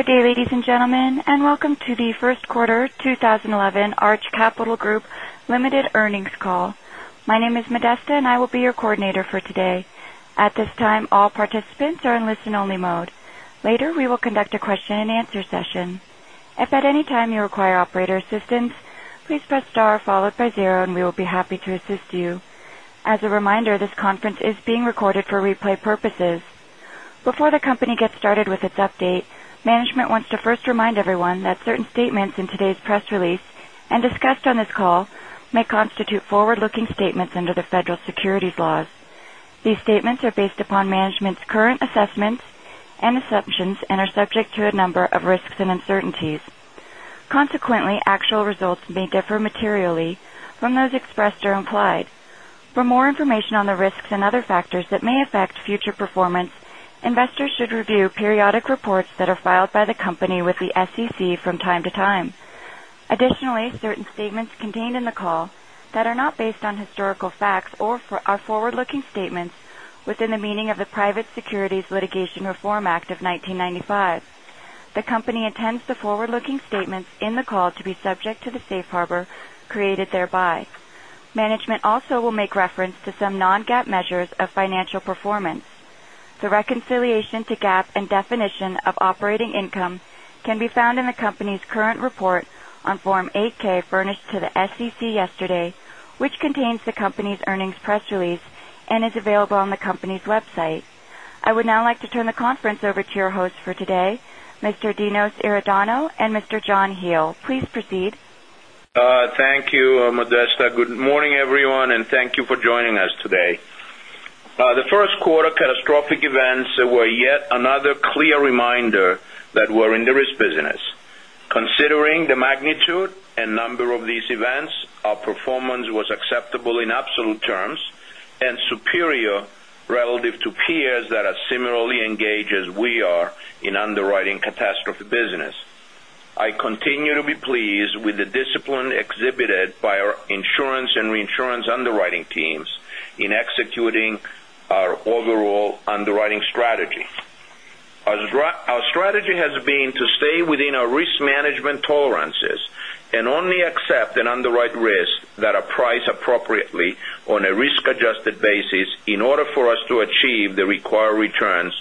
Good day, ladies and gentlemen, welcome to the first quarter 2011 Arch Capital Group Ltd. earnings call. My name is Modesta, I will be your coordinator for today. At this time, all participants are in listen-only mode. Later, we will conduct a question-and-answer session. If at any time you require operator assistance, please press star followed by zero, we will be happy to assist you. As a reminder, this conference is being recorded for replay purposes. Before the company gets started with its update, management wants to first remind everyone that certain statements in today's press release and discussed on this call may constitute forward-looking statements under the federal securities laws. These statements are based upon management's current assessments and assumptions and are subject to a number of risks and uncertainties. Actual results may differ materially from those expressed or implied. For more information on the risks and other factors that may affect future performance, investors should review periodic reports that are filed by the company with the SEC from time to time. Certain statements contained in the call that are not based on historical facts or are forward-looking statements within the meaning of the Private Securities Litigation Reform Act of 1995. The company intends the forward-looking statements in the call to be subject to the safe harbor created thereby. Management also will make reference to some non-GAAP measures of financial performance. The reconciliation to GAAP and definition of operating income can be found in the company's current report on Form 8-K furnished to the SEC yesterday, which contains the company's earnings press release and is available on the company's website. I would now like to turn the conference over to your host for today, Mr. Dinos Iordanou, Mr. John Hele. Please proceed. Thank you, Modesta. Good morning, everyone, thank you for joining us today. The first quarter catastrophic events were yet another clear reminder that we're in the risk business. Considering the magnitude and number of these events, our performance was acceptable in absolute terms and superior relative to peers that are similarly engaged as we are in underwriting catastrophe business. I continue to be pleased with the discipline exhibited by our insurance and reinsurance underwriting teams in executing our overall underwriting strategy. Our strategy has been to stay within our risk management tolerances and only accept and underwrite risks that are priced appropriately on a risk-adjusted basis in order for us to achieve the required returns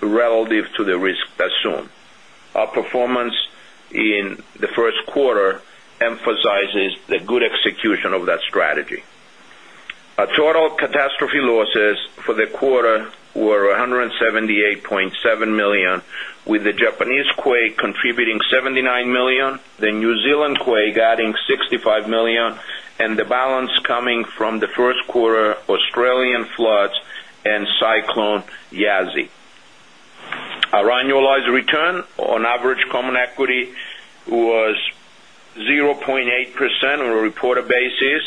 relative to the risk assumed. Our performance in the first quarter emphasizes the good execution of that strategy. Our total catastrophe losses for the quarter were $178.7 million, with the Japanese quake contributing $79 million, the New Zealand quake adding $65 million, and the balance coming from the first quarter Australian floods and Cyclone Yasi. Our annualized return on average common equity was 0.8% on a reported basis,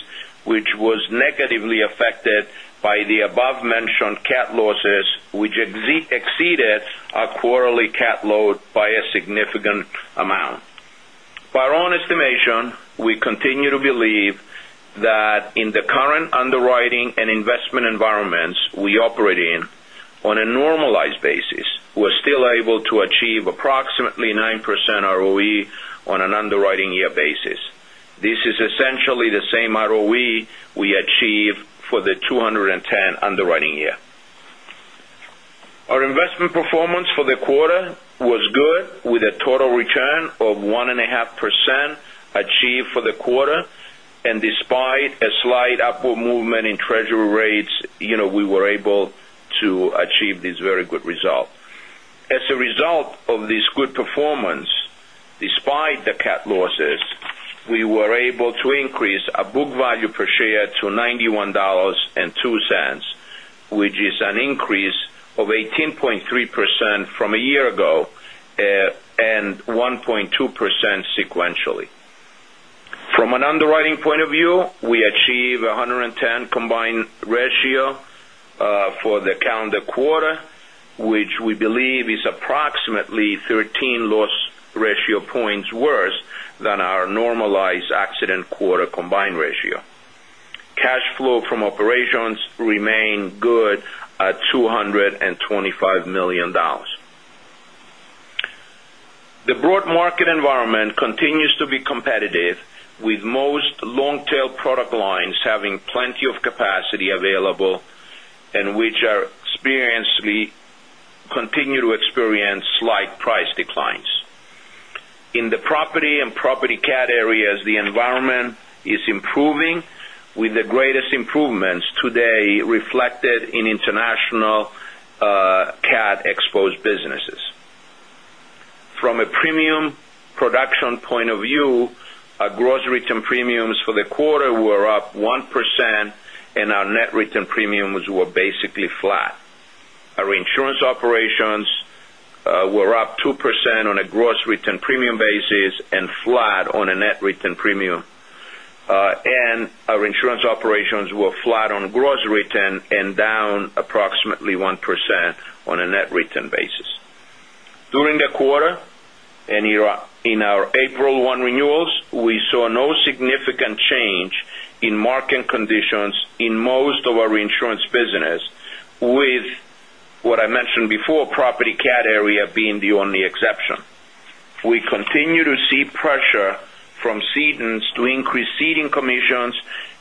which was negatively affected by the above-mentioned cat losses, which exceeded our quarterly cat load by a significant amount. By our own estimation, we continue to believe that in the current underwriting and investment environments we operate in, on a normalized basis, we are still able to achieve approximately 9% ROE on an underwriting year basis. This is essentially the same ROE we achieved for the 2010 underwriting year. Our investment performance for the quarter was good, with a total return of 1.5% achieved for the quarter. Despite a slight upward movement in treasury rates, we were able to achieve this very good result. As a result of this good performance, despite the cat losses, we were able to increase our book value per share to $91.02, which is an increase of 18.3% from a year ago and 1.2% sequentially. From an underwriting point of view, we achieved 110 combined ratio for the calendar quarter, which we believe is approximately 13 loss ratio points worse than our normalized accident quarter combined ratio. Cash flow from operations remained good at $225 million. The broad market environment continues to be competitive, with most long-tail product lines having plenty of capacity available and which continue to experience slight price declines. In the property and property cat areas, the environment is improving, with the greatest improvements today reflected in international cat-exposed businesses. From a premium production point of view, our gross written premiums for the quarter were up 1%, and our net written premiums were basically flat. Our insurance operations were up 2% on a gross written premium basis and flat on a net written premium. Our insurance operations were flat on gross written and down approximately 1% on a net written basis. During the quarter, in our April 1 renewals, we saw no significant change in market conditions in most of our reinsurance business, with what I mentioned before, property cat area being the only exception. We continue to see pressure from cedants to increase ceding commissions,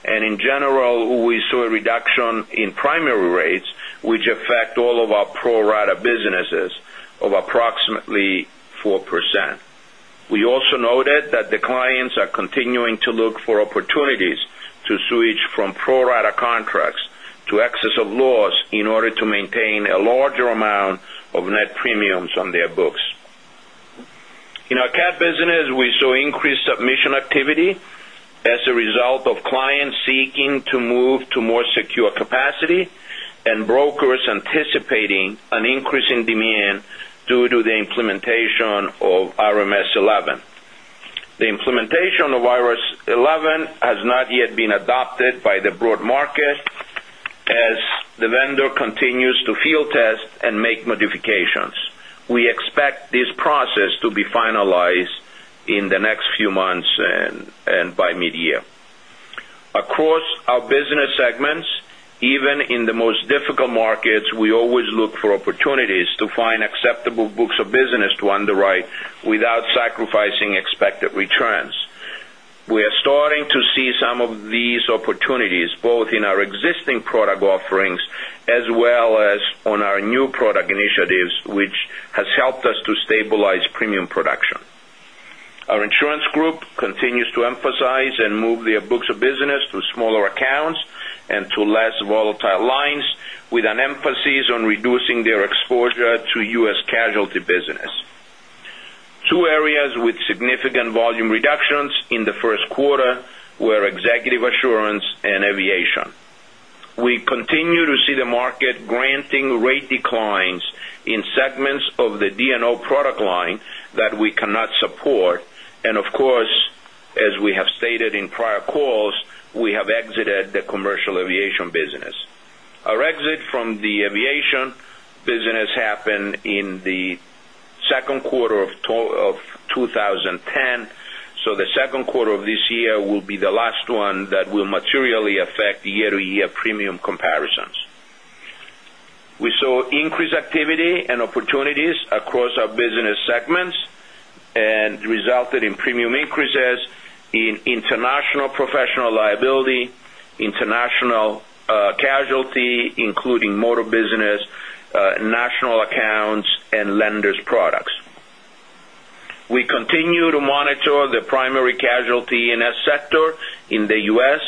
and in general, we saw a reduction in primary rates, which affect all of our pro-rata businesses of approximately 4%. We also noted that the clients are continuing to look for opportunities to switch from pro-rata contracts to excess of loss in order to maintain a larger amount of net premiums on their books. In our cat business, we saw increased submission activity as a result of clients seeking to move to more secure capacity and brokers anticipating an increase in demand due to the implementation of RMS 11. The implementation of RMS 11 has not yet been adopted by the broad market as the vendor continues to field test and make modifications. We expect this process to be finalized in the next few months and by mid-year. Across our business segments, even in the most difficult markets, we always look for opportunities to find acceptable books of business to underwrite without sacrificing expected returns. We are starting to see some of these opportunities, both in our existing product offerings as well as on our new product initiatives, which has helped us to stabilize premium production. Our insurance group continues to emphasize and move their books of business to smaller accounts and to less volatile lines, with an emphasis on reducing their exposure to U.S. casualty business. Two areas with significant volume reductions in the first quarter were executive assurance and aviation. We continue to see the market granting rate declines in segments of the D&O product line that we cannot support. Of course, as we have stated in prior calls, we have exited the commercial aviation business. Our exit from the aviation business happened in the second quarter of 2010, so the second quarter of this year will be the last one that will materially affect year-to-year premium comparisons. We saw increased activity and opportunities across our business segments and resulted in premium increases in international professional liability, international casualty, including motor business, national accounts, and lenders products. We continue to monitor the primary casualty in a sector in the U.S.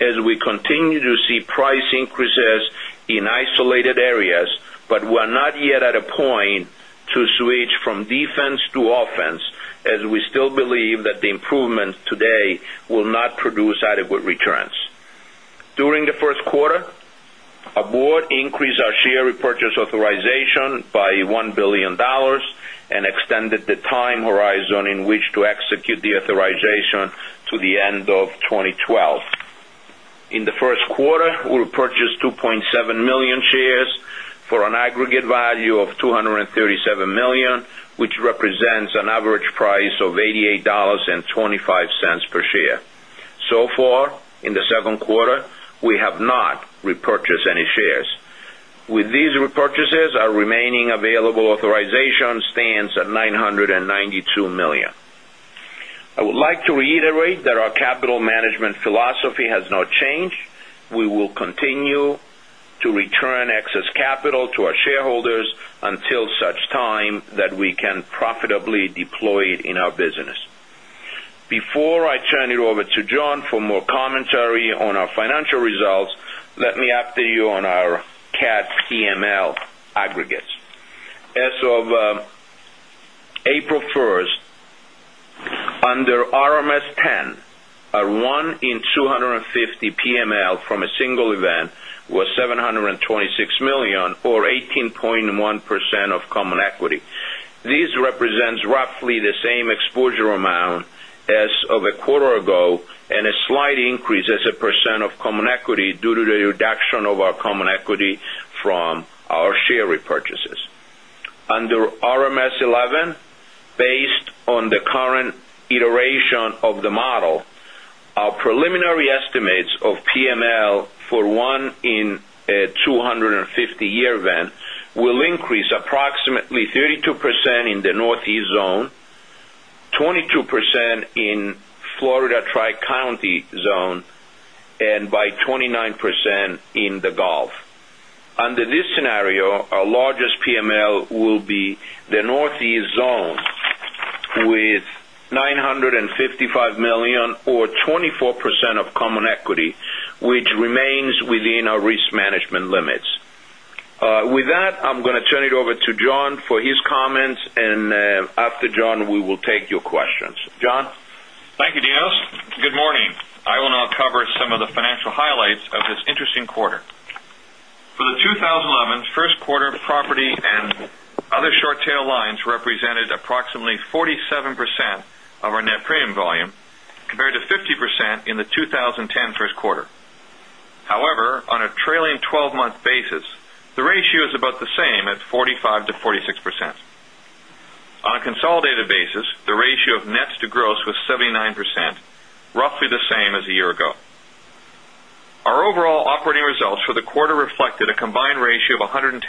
as we continue to see price increases in isolated areas, but we're not yet at a point to switch from defense to offense, as we still believe that the improvements today will not produce adequate returns. During the first quarter, our board increased our share repurchase authorization by $1 billion and extended the time horizon in which to execute the authorization to the end of 2012. In the first quarter, we purchased 2.7 million shares for an aggregate value of $237 million, which represents an average price of $88.25 per share. So far, in the second quarter, we have not repurchased any shares. With these repurchases, our remaining available authorization stands at $992 million. I would like to reiterate that our capital management philosophy has not changed. We will continue to return excess capital to our shareholders until such time that we can profitably deploy it in our business. Before I turn it over to John for more commentary on our financial results, let me update you on our cat PML aggregates. As of April 1st, under RMS 10, a one in 250 PML from a single event was $726 million, or 18.1% of common equity. This represents roughly the same exposure amount as of a quarter ago and a slight increase as a % of common equity due to the reduction of our common equity from our share repurchases. Under RMS 11, based on the current iteration of the model, our preliminary estimates of PML for one in a 250-year event will increase approximately 32% in the Northeast zone, 22% in Florida Tri-County zone, and by 29% in the Gulf. Under this scenario, our largest PML will be the Northeast zone with $955 million or 24% of common equity, which remains within our risk management limits. With that, I'm going to turn it over to John for his comments, and after John, we will take your questions. John? Thank you, Dinos. Good morning. I will now cover some of the financial highlights of this interesting quarter. For the 2011 first quarter, property and other short tail lines represented approximately 47% of our net premium volume, compared to 50% in the 2010 first quarter. However, on a trailing 12-month basis, the ratio is about the same at 45%-46%. On a consolidated basis, the ratio of nets to gross was 79%, roughly the same as a year ago. Our overall operating results for the quarter reflected a combined ratio of 110%,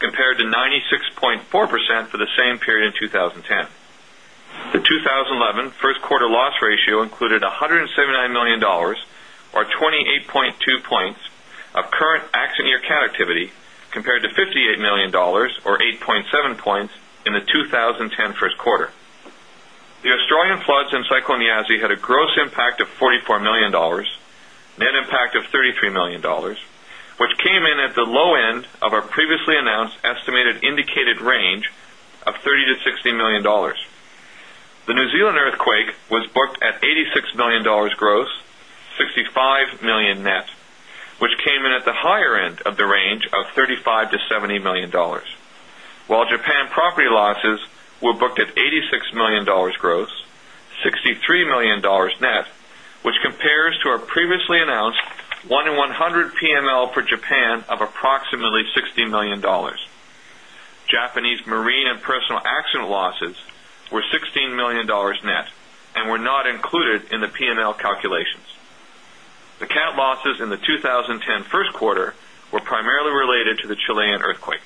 compared to 96.4% for the same period in 2010. The 2011 first quarter loss ratio included $179 million, or 28.2 points of current accident year cat activity, compared to $58 million, or 8.7 points in the 2010 first quarter. The Australian floods and Cyclone Yasi had a gross impact of $44 million, net impact of $33 million, which came in at the low end of our previously announced estimated indicated range of $30 million-$60 million. The New Zealand earthquake was booked at $86 million gross, $65 million net, which came in at the higher end of the range of $35 million-$70 million. While Japan property losses were booked at $86 million gross, $63 million net, which compares to our previously announced one in 100 PML for Japan of approximately $60 million. Japanese marine and personal accident losses were $16 million net and were not included in the P&L calculations. The cat losses in the 2010 first quarter were primarily related to the Chilean earthquake.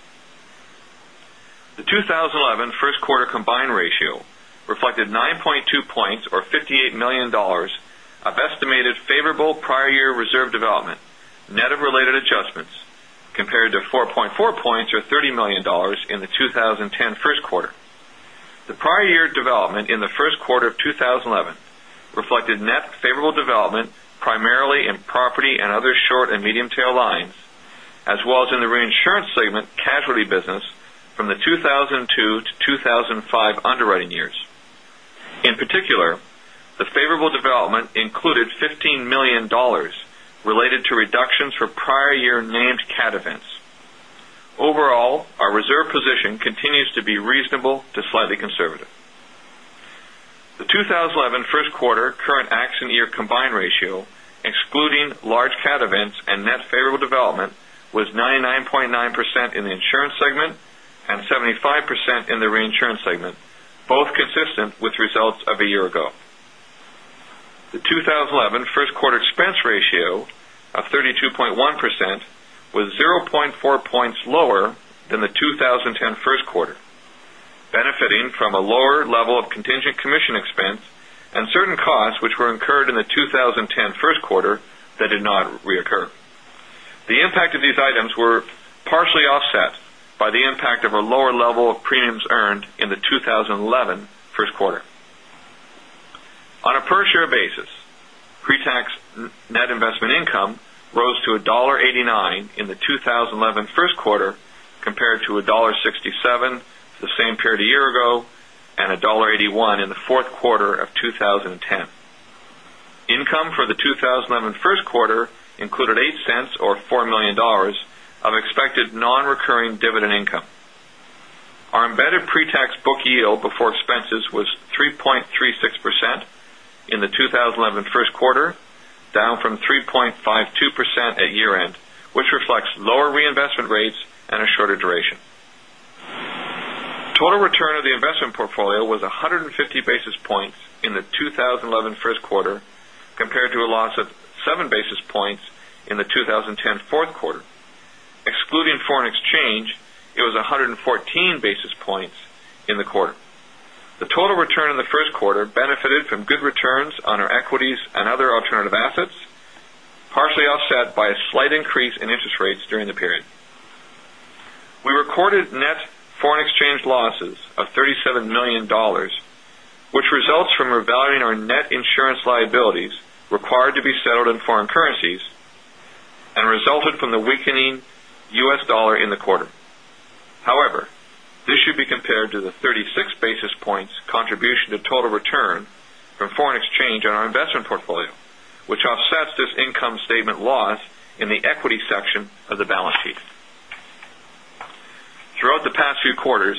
The 2011 first quarter combined ratio reflected 9.2 points, or $58 million of estimated favorable prior year reserve development, net of related adjustments, compared to 4.4 points or $30 million in the 2010 first quarter. The prior year development in the first quarter of 2011 reflected net favorable development, primarily in property and other short and medium tail lines, as well as in the reinsurance segment casualty business from the 2002-2005 underwriting years. In particular, the favorable development included $15 million related to reductions for prior year named cat events. Overall, our reserve position continues to be reasonable to slightly conservative. The 2011 first quarter current ac year combined ratio, excluding large cat events and net favorable development, was 99.9% in the insurance segment and 75% in the reinsurance segment, both consistent with results of a year ago. The 2011 first quarter expense ratio of 32.1% was 0.4 points lower than the 2010 first quarter, benefiting from a lower level of contingent commission expense and certain costs which were incurred in the 2010 first quarter that did not reoccur. The impact of these items were partially offset by the impact of a lower level of premiums earned in the 2011 first quarter. On a per share basis, pre-tax net investment income rose to $1.89 in the 2011 first quarter, compared to $1.67 the same period a year ago, and $1.81 in the fourth quarter of 2010. Income for the 2011 first quarter included $0.08 or $4 million of expected non-recurring dividend income. Our embedded pre-tax book yield before expenses was 3.36% in the 2011 first quarter, down from 3.52% at year-end, which reflects lower reinvestment rates and a shorter duration. Total return of the investment portfolio was 150 basis points in the 2011 first quarter, compared to a loss of seven basis points in the 2010 fourth quarter. Excluding foreign exchange, it was 114 basis points in the quarter. The total return in the first quarter benefited from good returns on our equities and other alternative assets, partially offset by a slight increase in interest rates during the period. We recorded net foreign exchange losses of $37 million, which results from revaluing our net insurance liabilities required to be settled in foreign currencies and resulted from the weakening U.S. dollar in the quarter. This should be compared to the 36 basis points contribution to total return from foreign exchange on our investment portfolio, which offsets this income statement loss in the equity section of the balance sheet. Throughout the past few quarters,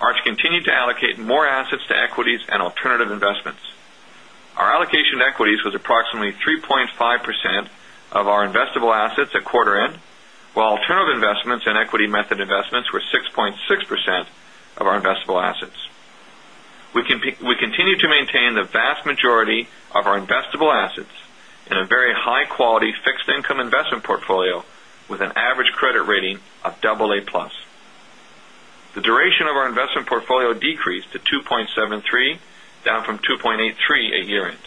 Arch continued to allocate more assets to equities and alternative investments. Our allocation to equities was approximately 3.5% of our investable assets at quarter end, while alternative investments and equity method investments were 6.6% of our investable assets. We continue to maintain the vast majority of our investable assets in a very high-quality fixed income investment portfolio with an average credit rating of double A plus. The duration of our investment portfolio decreased to 2.73, down from 2.83 at year-end.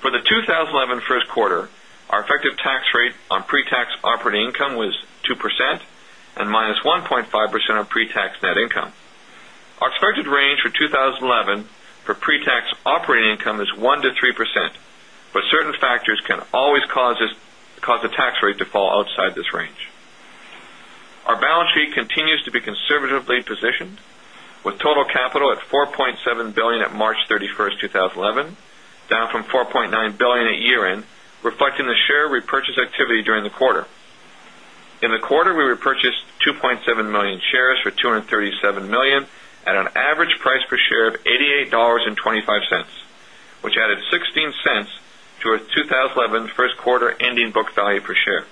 For the 2011 first quarter, our effective tax rate on pre-tax operating income was 2% and -1.5% on pre-tax net income. Our expected range for 2011 for pre-tax operating income is 1% to 3%. Certain factors can always cause the tax rate to fall outside this range. Our balance sheet continues to be conservatively positioned with total capital at $4.7 billion at March 31st, 2011, down from $4.9 billion at year-end, reflecting the share repurchase activity during the quarter. In the quarter, we repurchased 2.7 million shares for $237 million at an average price per share of $88.25, which added $0.16 to our 2011 first quarter ending book value per share.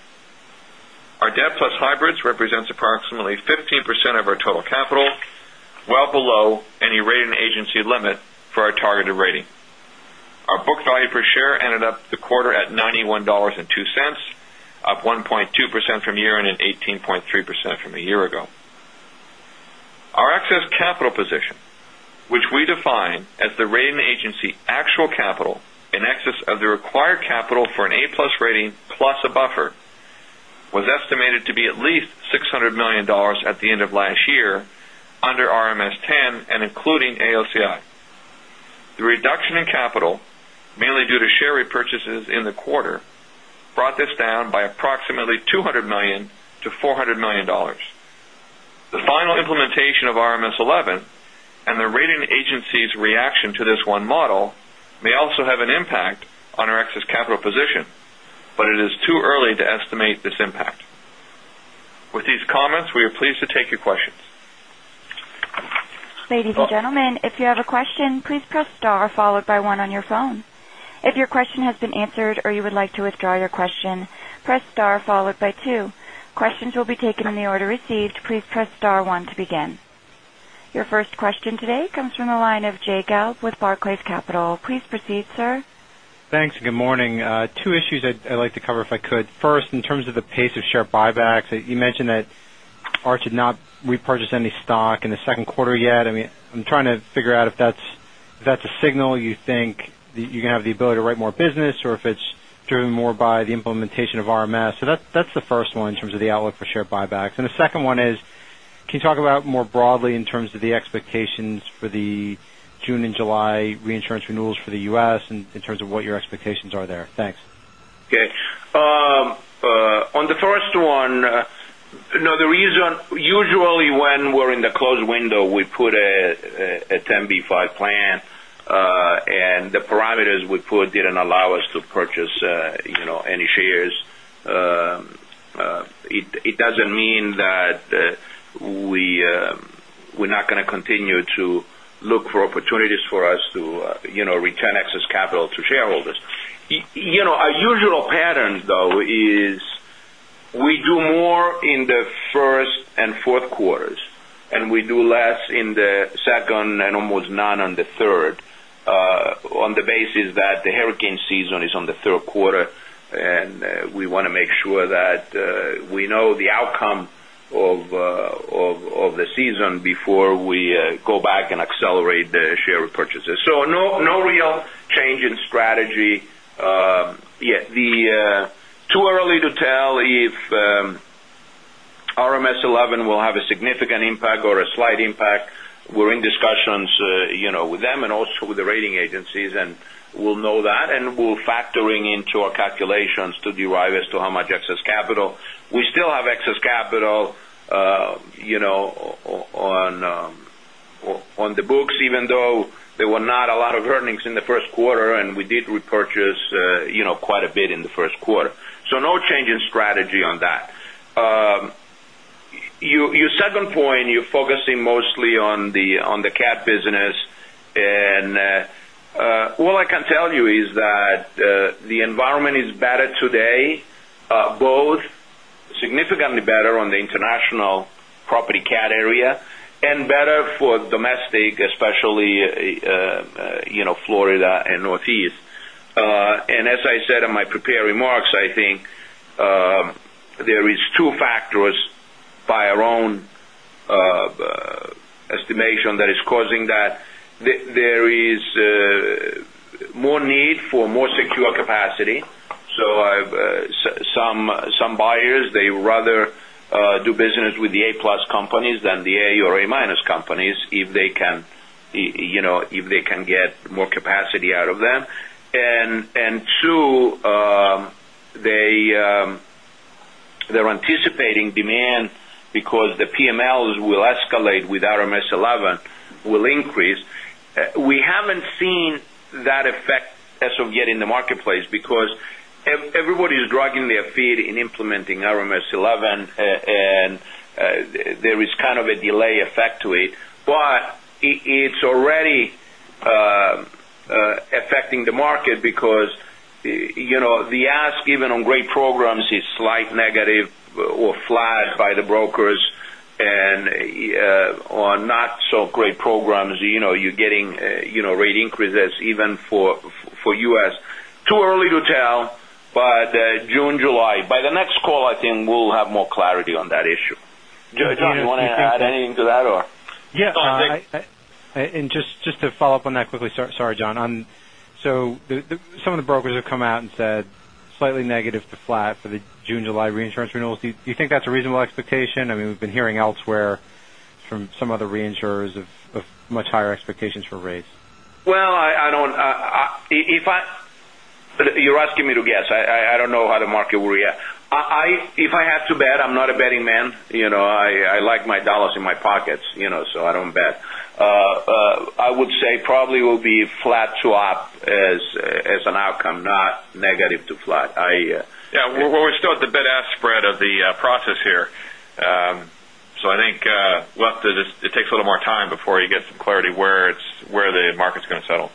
Our debt plus hybrids represents approximately 15% of our total capital, well below any rating agency limit for our targeted rating. Our book value per share ended up the quarter at $91.02, up 1.2% from year-end and 18.3% from a year ago. Our excess capital position, which we define as the rating agency actual capital in excess of the required capital for an A-plus rating plus a buffer, was estimated to be at least $600 million at the end of last year under RMS 10 and including AOCI. The reduction in capital, mainly due to share repurchases in the quarter, brought this down by approximately $200 million to $400 million. The final implementation of RMS 11 and the rating agencies' reaction to this one model may also have an impact on our excess capital position. It is too early to estimate this impact. With these comments, we are pleased to take your questions. Ladies and gentlemen, if you have a question, please press star followed by one on your phone. If your question has been answered or you would like to withdraw your question, press star followed by two. Questions will be taken in the order received. Please press star one to begin. Your first question today comes from the line of Jay Gelb with Barclays Capital. Please proceed, sir. Thanks. Good morning. 2 issues I'd like to cover if I could. First, in terms of the pace of share buybacks, you mentioned that Arch had not repurchased any stock in the second quarter yet. I'm trying to figure out if that's a signal you think that you're going to have the ability to write more business or if it's driven more by the implementation of RMS. That's the first one in terms of the outlook for share buybacks. The second one is, can you talk about more broadly in terms of the expectations for the June and July reinsurance renewals for the U.S. and in terms of what your expectations are there? Thanks. Okay. On the first one, usually when we're in the closed window, we put a 10b5-1 plan, and the parameters we put didn't allow us to purchase any shares. It doesn't mean that we're not going to continue to look for opportunities for us to return excess capital to shareholders. Our usual pattern, though, is we do more in the first and fourth quarters, and we do less in the second and almost none on the third, on the basis that the hurricane season is on the third quarter, and we want to make sure that we know the outcome of the season before we go back and accelerate the share repurchases. No real change in strategy yet. Too early to tell if RMS 11 will have a significant impact or a slight impact. We're in discussions with them and also with the rating agencies, and we'll know that, and we're factoring into our calculations to derive as to how much excess capital. We still have excess capital on the books, even though there were not a lot of earnings in the first quarter, and we did repurchase quite a bit in the first quarter. No change in strategy on that. Your second point, you're focusing mostly on the cat business. All I can tell you is that the environment is better today both significantly better on the international property cat area and better for domestic, especially Florida and Northeast. As I said in my prepared remarks, I think there is two factors by our own estimation that is causing that. There is more need for more secure capacity. Some buyers, they rather do business with the A-plus companies than the A or A-minus companies if they can get more capacity out of them. Two, they're anticipating demand because the PMLs will escalate with RMS 11 will increase. We haven't seen that effect as of yet in the marketplace because everybody is dragging their feet in implementing RMS 11, and there is kind of a delay effect to it. It's already affecting the market because the ask even on great programs is slight negative or flat by the brokers and on not so great programs, you're getting rate increases even for U.S. Too early to tell, but June, July. By the next call, I think we'll have more clarity on that issue. John, you want to add anything to that or? Yeah. John, go ahead. Just to follow up on that quickly. Sorry, John. Some of the brokers have come out and said slightly negative to flat for the June, July reinsurance renewals. Do you think that's a reasonable expectation? We've been hearing elsewhere from some other reinsurers of much higher expectations for rates. You're asking me to guess. I don't know how the market will react. If I had to bet, I'm not a betting man. I like my dollars in my pockets, I don't bet. I would say probably will be flat to up as an outcome, not negative to flat. Yeah. We're still at the bid-ask spread of the process here. I think, it takes a little more time before you get some clarity where the market's going to settle.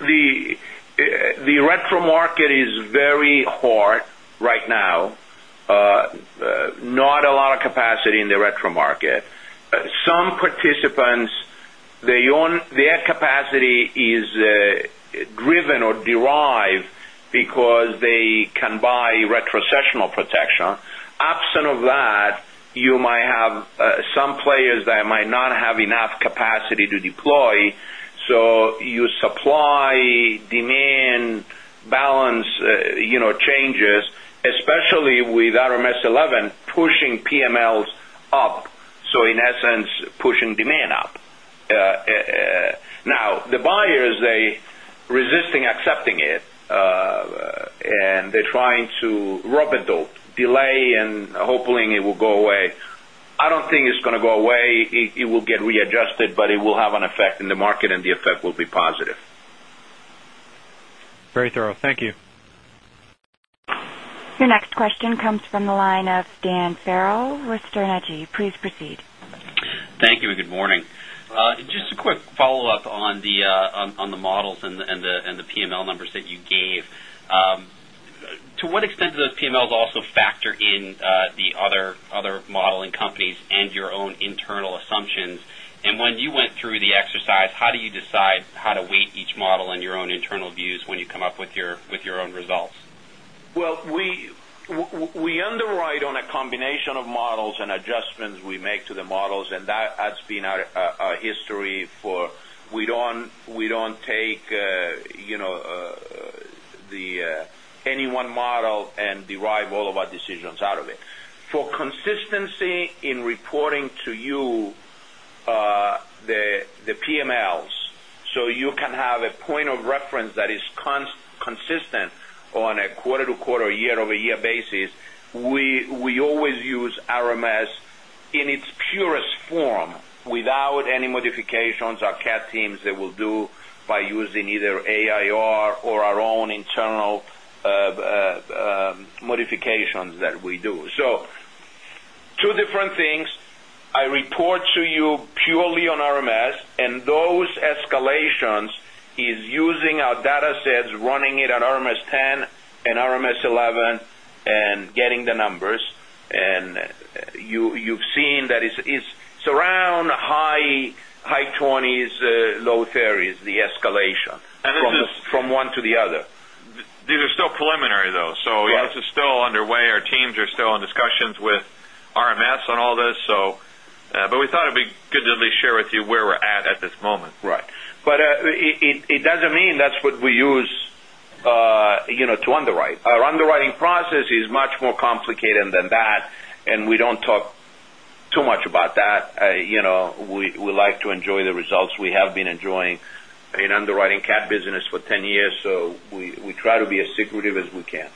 The retro market is very hard right now. Not a lot of capacity in the retro market. Some participants, their capacity is driven or derived because they can buy retrocessional protection. Absent of that, you might have some players that might not have enough capacity to deploy, your supply-demand balance changes, especially with RMS 11 pushing PMLs up. In essence, pushing demand up. The buyers, they're resisting accepting it, and they're trying to rope a dope, delay, and hoping it will go away. I don't think it's going to go away. It will get readjusted, but it will have an effect in the market, and the effect will be positive. Very thorough. Thank you. Your next question comes from the line of Dan Farrell with Sterne Agee. Please proceed. Thank you and good morning. Just a quick follow-up on the models and the PML numbers that you gave. To what extent do those PMLs also factor in the other modeling companies and your own internal assumptions? When you went through the exercise, how do you decide how to weight each model in your own internal views when you come up with your own results? Well, we underwrite on a combination of models and adjustments we make to the models, and that's been our history. We don't take any one model and derive all of our decisions out of it. For consistency in reporting to you the PMLs, so you can have a point of reference that is consistent on a quarter-to-quarter, year-over-year basis, we always use RMS in its purest form without any modifications our cat teams will do by using either AIR or our own internal modifications that we do. Two different things. I report to you purely on RMS, and those escalations is using our data sets, running it on RMS 10 and RMS 11, and getting the numbers. And you've seen that it's around high 20s, low 30s, the escalation from one to the other. These are still preliminary, though. Right. This is still underway. Our teams are still in discussions with RMS on all this. We thought it'd be good to at least share with you where we're at at this moment. Right. It doesn't mean that's what we use to underwrite. Our underwriting process is much more complicated than that, and we don't talk too much about that. We like to enjoy the results we have been enjoying in underwriting cat business for 10 years, we try to be as secretive as we can.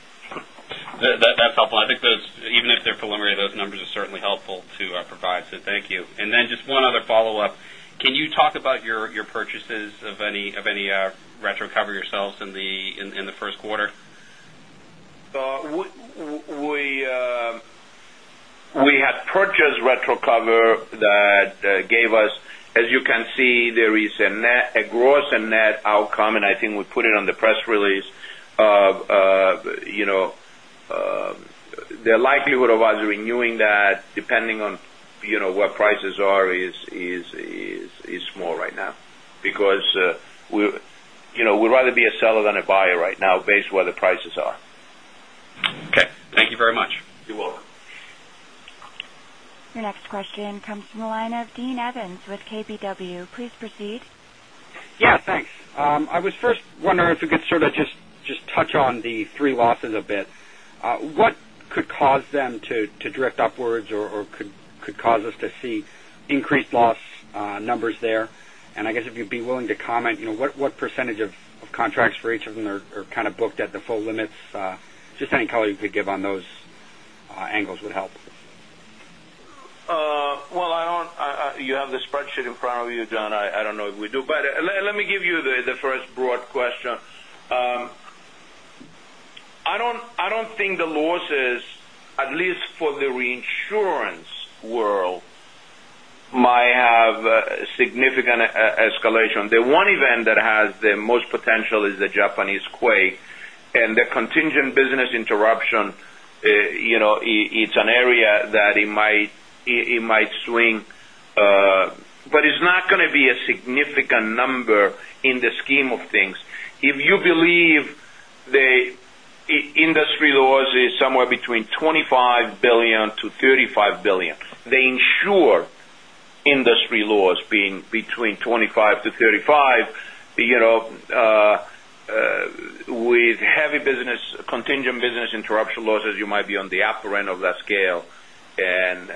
That's helpful. I think even if they're preliminary, those numbers are certainly helpful to provide, so thank you. Just one other follow-up. Can you talk about your purchases of any retro cover yourselves in the first quarter? We had purchased retro cover that gave us, as you can see, there is a gross and net outcome, and I think we put it on the press release. The likelihood of us renewing that, depending on what prices are, is small right now because we'd rather be a seller than a buyer right now based on where the prices are. Okay. Thank you very much. You're welcome. Your next question comes from the line of Dean Evans with KBW. Please proceed. Yeah, thanks. I was first wondering if you could sort of just touch on the three losses a bit. What could cause them to drift upwards or could cause us to see increased loss numbers there? I guess if you'd be willing to comment, what % of contracts for each of them are kind of booked at the full limits? Just any color you could give on those angles would help. Well, you have the spreadsheet in front of you, John. I don't know if we do. Let me give you the first broad question. I don't think the losses, at least for the reinsurance world, might have significant escalation. The one event that has the most potential is the Japanese quake, and the contingent business interruption, it's an area that it might swing. It's not going to be a significant number in the scheme of things. If you believe the industry loss is somewhere between $25 billion-$35 billion. They insure industry loss being between $25 billion-$35 billion. With heavy contingent business interruption losses, you might be on the upper end of that scale, and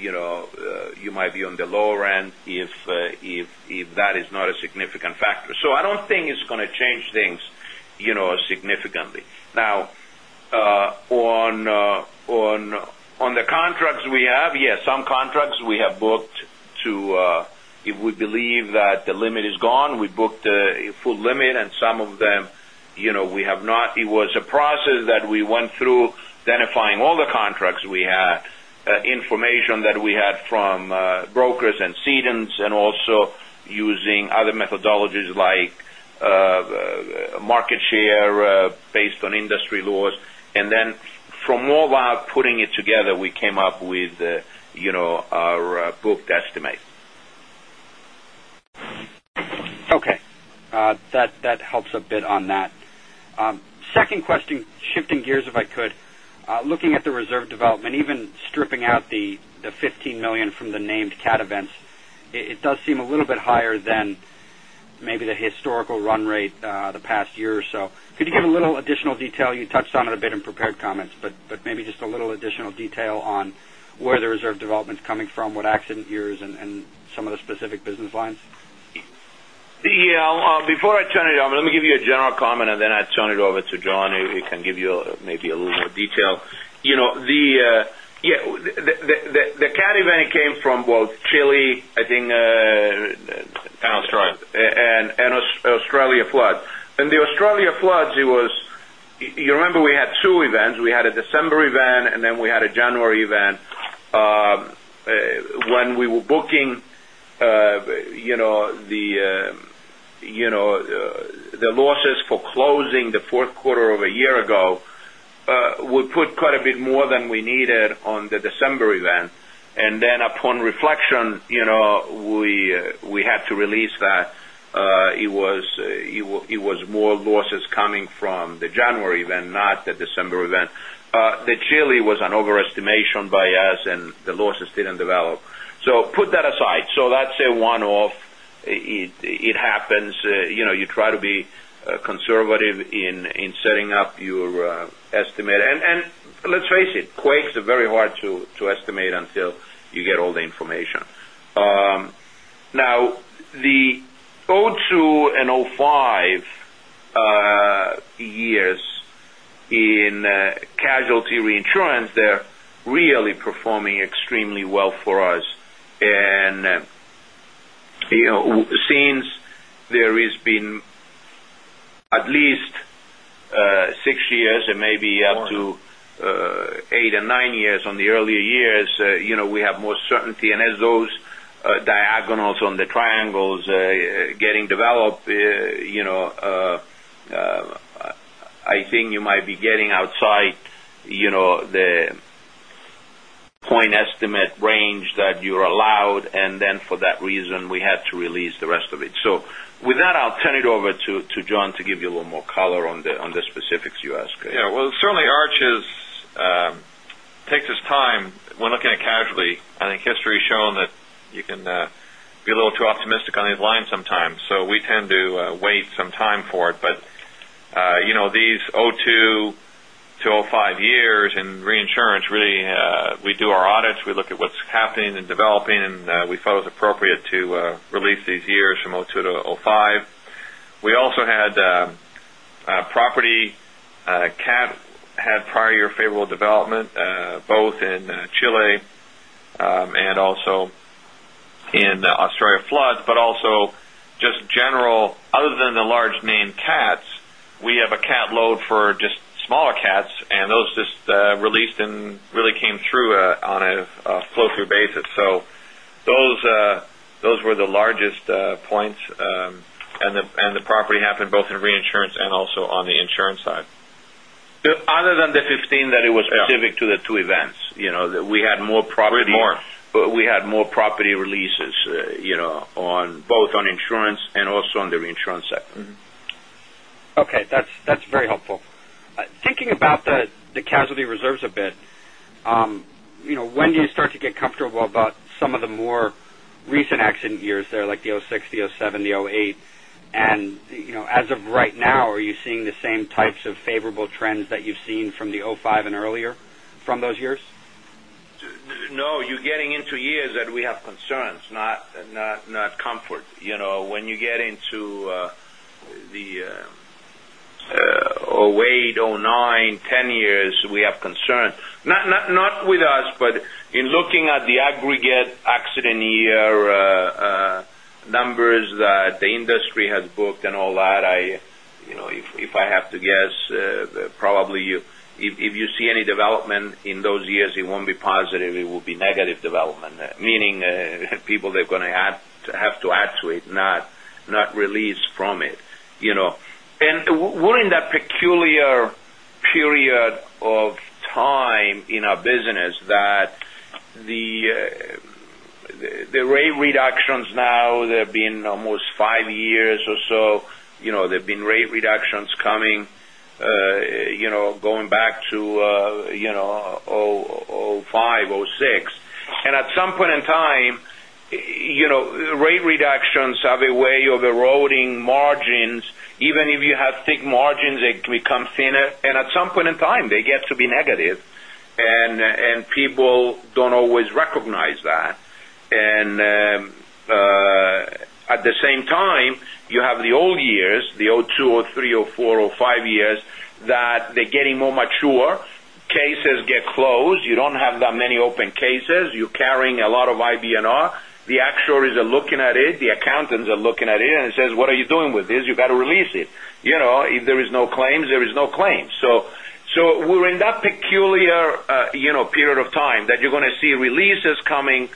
you might be on the lower end if that is not a significant factor. I don't think it's going to change things significantly. Now on the contracts we have, yes, some contracts we have booked to if we believe that the limit is gone, we booked a full limit, and some of them we have not. It was a process that we went through identifying all the contracts we had information that we had from brokers and cedents, also using other methodologies like market share based on industry loss. From model, putting it together, we came up with our booked estimate. Okay. That helps a bit on that. Second question, shifting gears, if I could. Looking at the reserve development, even stripping out the $15 million from the named cat events, it does seem a little bit higher than maybe the historical run rate the past year or so. Could you give a little additional detail? You touched on it a bit in prepared comments, but maybe just a little additional detail on where the reserve development's coming from, what accident years and some of the specific business lines. Yeah. Before I turn it over, let me give you a general comment, and then I'll turn it over to John, who can give you maybe a little more detail. The cat event came from both Chile, I think- Australia Australia flood. In the Australia floods, you remember we had two events. We had a December event, and then we had a January event. When we were booking the losses for closing the fourth quarter of a year ago, we put quite a bit more than we needed on the December event. Upon reflection, we had to release that. It was more losses coming from the January event, not the December event. The Chile was an overestimation by us, and the losses didn't develop. Put that aside. That's a one-off. It happens. You try to be conservative in setting up your estimate. Let's face it, quakes are very hard to estimate until you get all the information. Now, the 2002 and 2005 years in casualty reinsurance, they're really performing extremely well for us. Since there has been at least six years and maybe up to More eight and nine years on the earlier years, we have more certainty. As those diagonals on the triangles getting developed, I think you might be getting outside the point estimate range that you're allowed, then for that reason, we had to release the rest of it. With that, I'll turn it over to John to give you a little more color on the specifics you asked. Yeah. Well, certainly Arch takes its time when looking at casualty. I think history's shown that you can be a little too optimistic on these lines sometimes. We tend to wait some time for it. These 2002 to 2005 years in reinsurance, really, we do our audits. We look at what's happening and developing, and we felt it was appropriate to release these years from 2002 to 2005. We also had property cat had prior year favorable development, both in Chile, and also in Australia floods, but also just general, other than the large named cats, we have a cat load for just smaller cats, those just released and really came through on a flow-through basis. Those were the largest points. The property happened both in reinsurance and also on the insurance side. Other than the 15 that it was specific to the two events. We had more property- Bit more we had more property releases both on insurance and also on the reinsurance side. Okay. That's very helpful. Thinking about the casualty reserves a bit, when do you start to get comfortable about some of the more recent accident years there, like the '06, the '07, the '08? As of right now, are you seeing the same types of favorable trends that you've seen from the '05 and earlier from those years? No, you're getting into years that we have concerns, not comfort. When you get into the '08, '09, '10 years, we have concerns. Not with us, but in looking at the aggregate accident year numbers that the industry has booked and all that, if I have to guess, probably if you see any development in those years, it won't be positive, it will be negative development. Meaning people, they're going to have to add to it, not release from it. We're in that peculiar period of time in our business that the rate reductions now, they've been almost five years or so. There's been rate reductions coming going back to '05, '06. At some point in time, rate reductions have a way of eroding margins. Even if you have thick margins, it becomes thinner. At some point in time, they get to be negative. People don't always recognize that. At the same time, you have the old years, the 2002, 2003, 2004, 2005 years, that they're getting more mature. Cases get closed. You don't have that many open cases. You're carrying a lot of IBNR. The actuaries are looking at it, the accountants are looking at it. It says, "What are you doing with this? You've got to release it." If there is no claims, there is no claims. We're in that peculiar period of time that you're going to see releases coming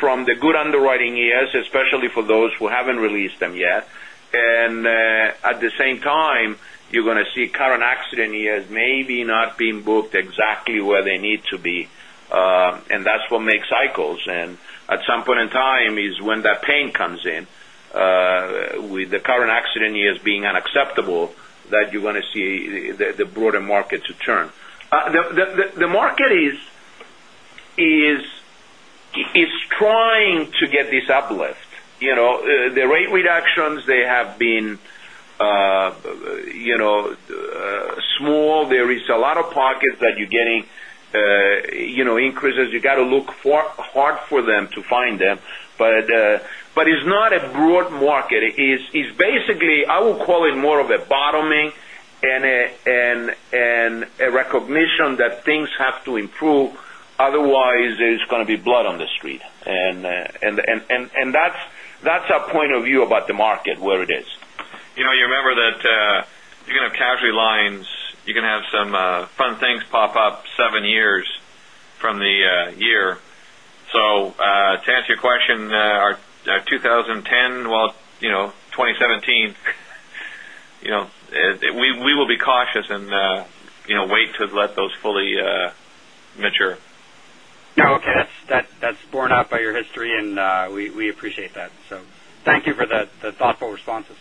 from the good underwriting years, especially for those who haven't released them yet. At the same time, you're going to see current accident years maybe not being booked exactly where they need to be. That's what makes cycles. At some point in time is when that pain comes in, with the current accident years being unacceptable, that you're going to see the broader market to turn. The market is trying to get this uplift. The rate reductions, they have been small. There is a lot of pockets that you're getting increases. You got to look hard for them to find them. It's not a broad market. It's basically, I would call it more of a bottoming and a recognition that things have to improve, otherwise there's going to be blood on the street. That's our point of view about the market, where it is. You remember that you can have casualty lines, you can have some fun things pop up seven years from the year. To answer your question, our 2010, well, 2017, we will be cautious and wait to let those fully mature. Okay. That's borne out by your history, and we appreciate that. Thank you for the thoughtful responses.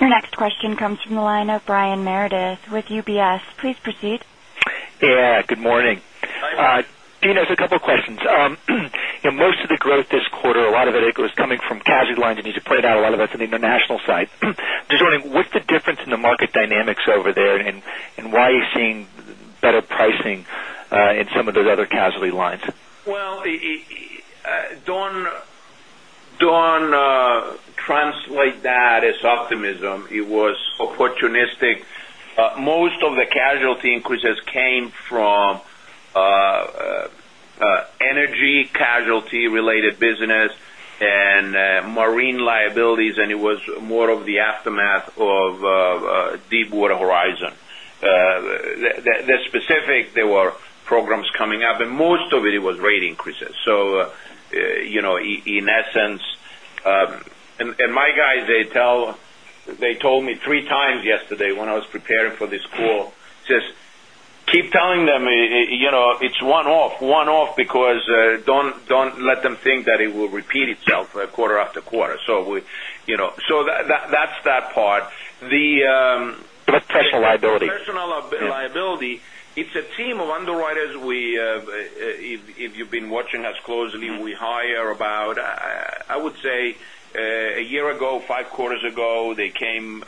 Your next question comes from the line of Brian Meredith with UBS. Please proceed. Yeah, good morning. Hi, Brian. Dino, there's a couple of questions. Most of the growth this quarter, a lot of it, I think, was coming from casualty lines. I need to point out a lot of that's in the international side. Just wondering, what's the difference in the market dynamics over there, and why are you seeing better pricing in some of those other casualty lines? Don't translate that as optimism. It was opportunistic. Most of the casualty increases came from energy casualty related business and marine liabilities, and it was more of the aftermath of Deepwater Horizon. There were programs coming up, and most of it was rate increases. In essence, and my guys, they told me three times yesterday when I was preparing for this call, says, "Keep telling them it's one-off, because don't let them think that it will repeat itself quarter after quarter." That's that part. Professional liability. Professional liability. It's a team of underwriters. If you've been watching us closely, we hire about, I would say, a year ago, 5 quarters ago, they came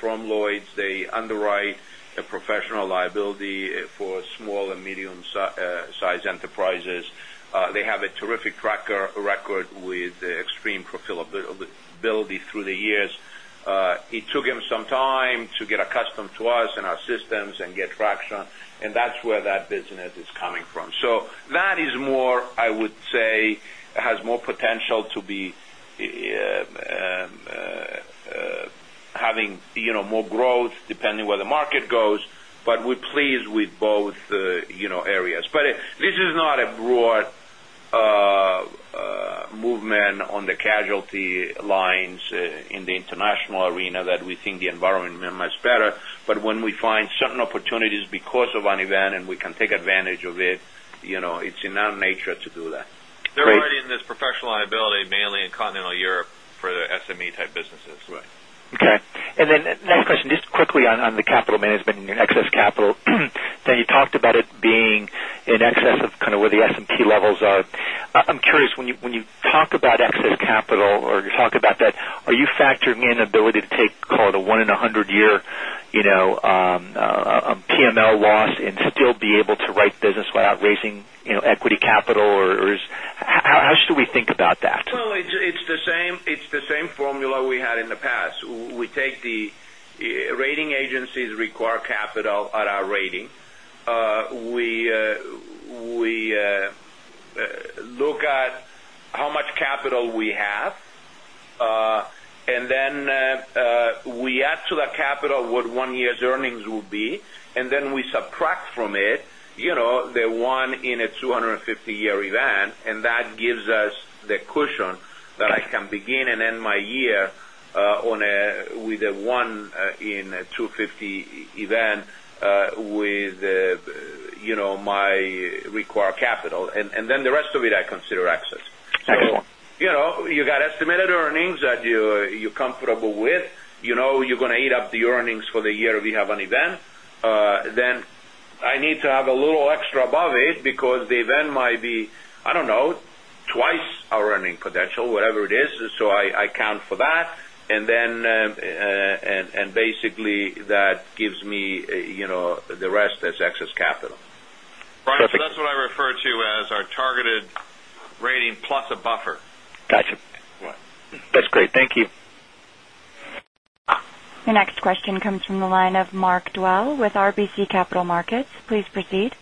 from Lloyd's. They underwrite a professional liability for small and medium-sized enterprises. They have a terrific track record with extreme profitability through the years. It took him some time to get accustomed to us and our systems and get traction, and that's where that business is coming from. That is more, I would say, has more potential to be having more growth depending where the market goes. We're pleased with both areas. This is not a broad movement on the casualty lines in the international arena that we think the environment is much better. When we find certain opportunities because of an event and we can take advantage of it's in our nature to do that. They're already in this professional liability, mainly in continental Europe for the SME type businesses. Right. Next question, just quickly on the capital management and excess capital. You talked about it being in excess of kind of where the S&P levels are. I'm curious, when you talk about excess capital or you talk about that, are you factoring in ability to take, call it a one in 100-year PML loss and still be able to write business without raising equity capital, or how should we think about that? Well, it's the same formula we had in the past. We take the rating agencies require capital at our rating. We look at how much capital we have. We add to that capital what one year's earnings will be, we subtract from it the one in a 250-year event, that gives us the cushion that I can begin and end my year with a one in 250-year event with my required capital. The rest of it, I consider excess. Excellent. You got estimated earnings that you're comfortable with. You know you're going to eat up the earnings for the year if we have an event. I need to have a little extra above it because the event might be, I don't know, twice our earning potential, whatever it is. I account for that. Basically that gives me the rest as excess capital. Perfect. Brian, that's what I refer to as our targeted rating plus a buffer. Got you. Right. That's great. Thank you. Your next question comes from the line of Mark Dwelle with RBC Capital Markets. Please proceed.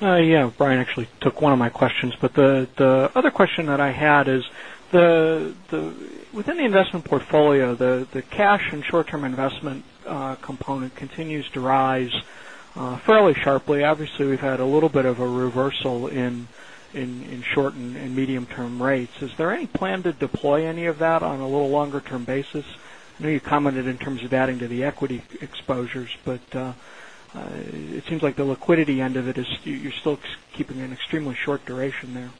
Yeah. Brian actually took one of my questions. The other question that I had is, within the investment portfolio, the cash and short-term investment component continues to rise fairly sharply. Obviously, we've had a little bit of a reversal in short and medium-term rates. Is there any plan to deploy any of that on a little longer term basis? I know you commented in terms of adding to the equity exposures, but it seems like the liquidity end of it is you're still keeping an extremely short duration there.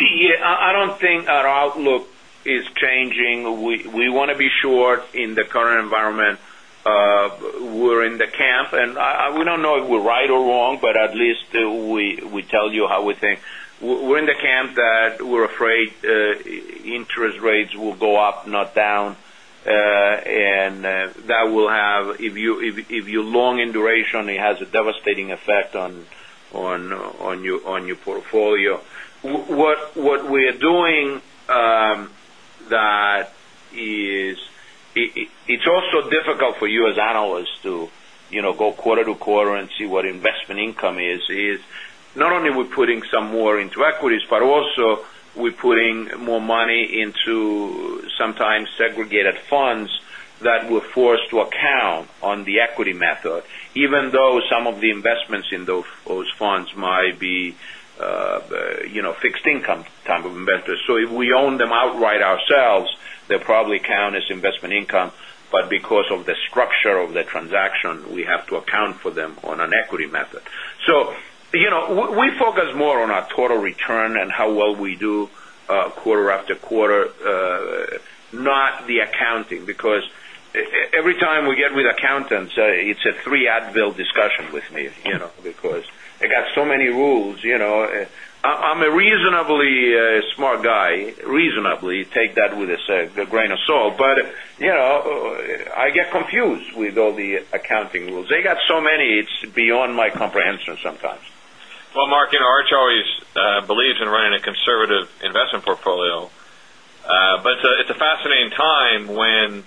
Yeah. I don't think our outlook is changing. We want to be short in the current environment. We're in the camp, and we don't know if we're right or wrong, but at least we tell you how we think. We're in the camp that we're afraid interest rates will go up, not down. That will have, if you're long in duration, it has a devastating effect on your portfolio. What we're doing. It's also difficult for you as analysts to go quarter to quarter and see what investment income is. Not only are we putting some more into equities, but also we're putting more money into sometimes segregated funds that we're forced to account on the equity method, even though some of the investments in those funds might be fixed income type of investors. If we own them outright ourselves, they'll probably count as investment income. Because of the structure of the transaction, we have to account for them on an equity method. We focus more on our total return and how well we do quarter after quarter, not the accounting, because every time we get with accountants, it's a three Advil discussion with me, because they got so many rules. I'm a reasonably smart guy, reasonably. Take that with a grain of salt. I get confused with all the accounting rules. They got so many, it's beyond my comprehension sometimes. Mark, Arch always believes in running a conservative investment portfolio. It's a fascinating time when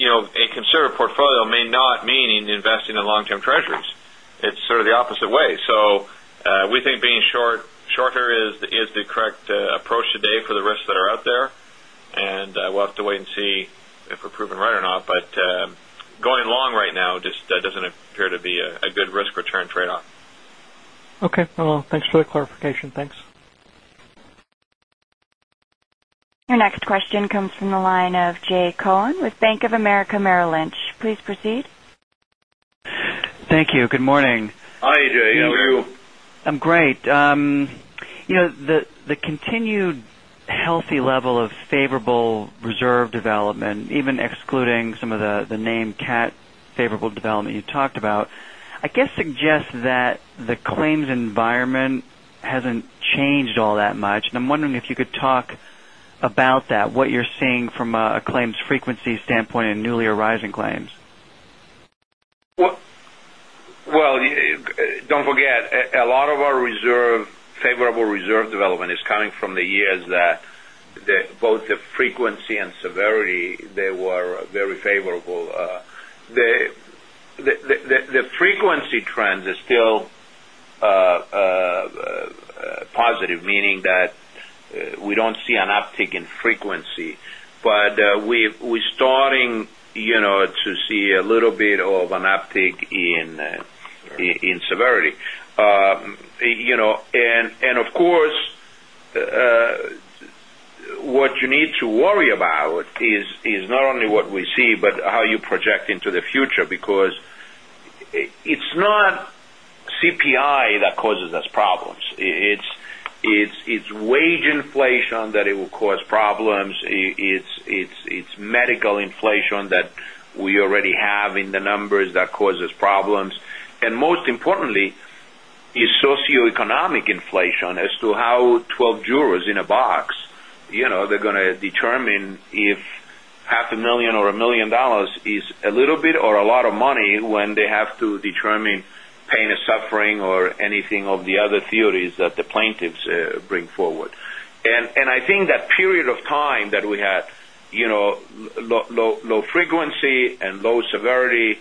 a conservative portfolio may not mean investing in long-term treasuries. It's sort of the opposite way. We think being shorter is the correct approach today for the risks that are out there, and we'll have to wait and see if we're proven right or not. Going long right now just doesn't appear to be a good risk return trade-off. Okay. Thanks for the clarification. Thanks. Your next question comes from the line of Jay Cohen with Bank of America Merrill Lynch. Please proceed. Thank you. Good morning. Hi, Jay. How are you? I'm great. The continued healthy level of favorable reserve development, even excluding some of the named cat favorable development you talked about, I guess suggests that the claims environment hasn't changed all that much. I'm wondering if you could talk about that, what you're seeing from a claims frequency standpoint and newly arising claims. Well, don't forget, a lot of our favorable reserve development is coming from the years that both the frequency and severity, they were very favorable. The frequency trends are still positive, meaning that we don't see an uptick in frequency. We're starting to see a little bit of an uptick in severity. Of course, what you need to worry about is not only what we see, but how you project into the future, because it's not CPI that causes us problems. It's wage inflation that it will cause problems. It's medical inflation that we already have in the numbers that causes problems. Most importantly, it's socioeconomic inflation as to how 12 jurors in a box, they're going to determine if half a million or a million dollars is a little bit or a lot of money when they have to determine pain and suffering or anything of the other theories that the plaintiffs bring forward. I think that period of time that we had low frequency and low severity,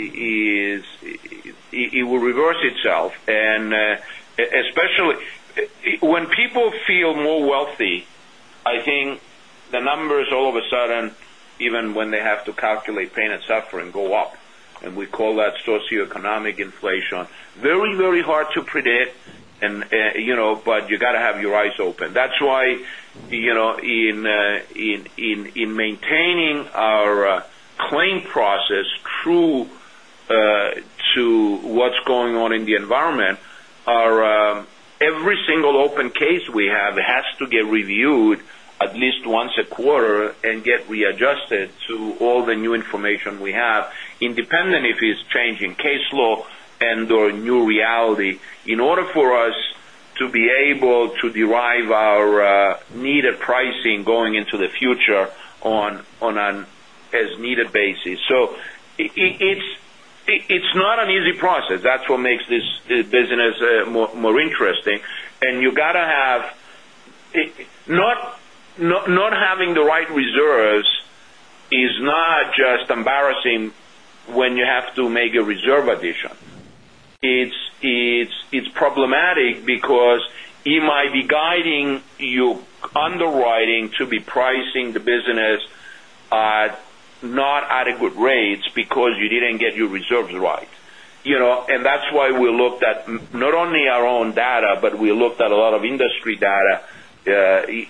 it will reverse itself. Especially when people feel more wealthy, I think the numbers all of a sudden, even when they have to calculate pain and suffering, go up. We call that socioeconomic inflation. Very, very hard to predict, but you got to have your eyes open. That's why in maintaining our claim process true to what's going on in the environment, every single open case we have has to get reviewed at least once a quarter and get readjusted to all the new information we have, independent if it's changing case law or new reality. In order for us to be able to derive our needed pricing going into the future on an as-needed basis. It's not an easy process. That's what makes this business more interesting. Not having the right reserves is not just embarrassing when you have to make a reserve addition. It's problematic because it might be guiding your underwriting to be pricing the business at not adequate rates because you didn't get your reserves right. That's why we looked at not only our own data, but we looked at a lot of industry data,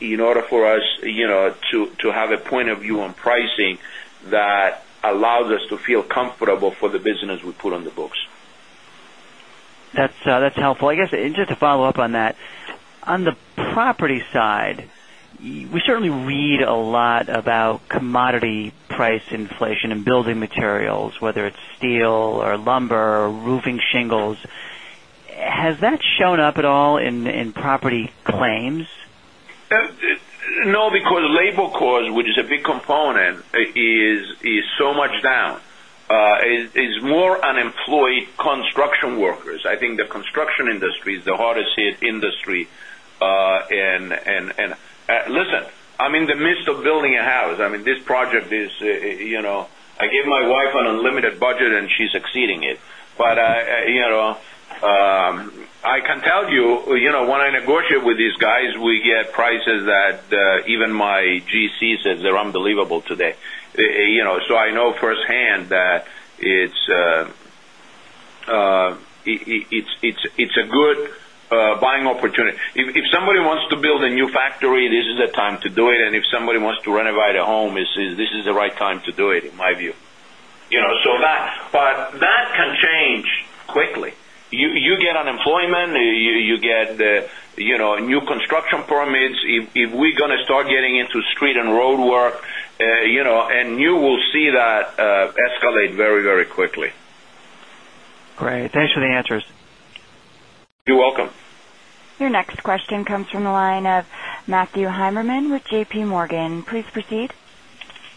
in order for us to have a point of view on pricing that allows us to feel comfortable for the business we put on the books. That's helpful. I guess, just to follow up on that, on the property side, we certainly read a lot about commodity price inflation and building materials, whether it's steel or lumber or roofing shingles. Has that shown up at all in property claims? No, because labor cost, which is a big component, is so much down. It's more unemployed construction workers. I think the construction industry is the hardest hit industry. Listen, I'm in the midst of building a house. I gave my wife an unlimited budget, and she's exceeding it. I can tell you, when I negotiate with these guys, we get prices that even my GC says they're unbelievable today. I know firsthand that it's a good buying opportunity. If somebody wants to build a new factory, this is the time to do it. If somebody wants to renovate a home, this is the right time to do it, in my view. That can change quickly. You get unemployment, you get new construction permits. If we're going to start getting into street and roadwork, and you will see that escalate very, very quickly. Great. Thanks for the answers. You're welcome. Your next question comes from the line of Matthew Heimermann with J.P. Morgan. Please proceed.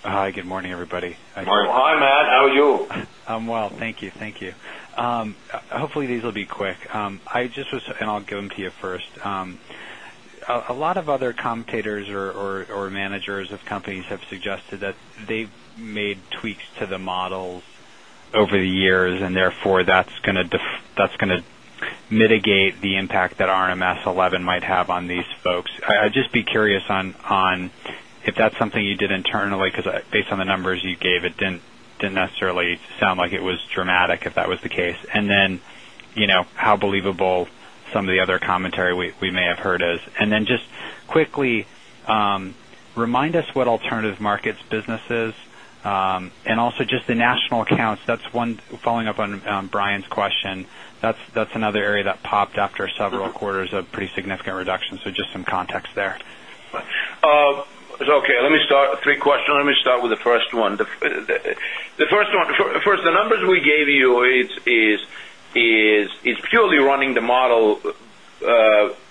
Hi, good morning, everybody. Hi, Matt. How are you? I'm well. Thank you. Hopefully, these will be quick. I'll give them to you first. A lot of other commentators or managers of companies have suggested that they've made tweaks to the models over the years. Therefore, that's going to mitigate the impact that RMS 11 might have on these folks. I'd just be curious on if that's something you did internally, because based on the numbers you gave, it didn't necessarily sound like it was dramatic if that was the case. Then, how believable some of the other commentary we may have heard is. Then just quickly, remind us what alternative markets business is, and also just the national accounts. That's one following up on Brian's question. That's another area that popped after several quarters of pretty significant reductions. Just some context there. Okay. Let me start. Three questions. Let me start with the first one. The first one. First, the numbers we gave you is purely running the model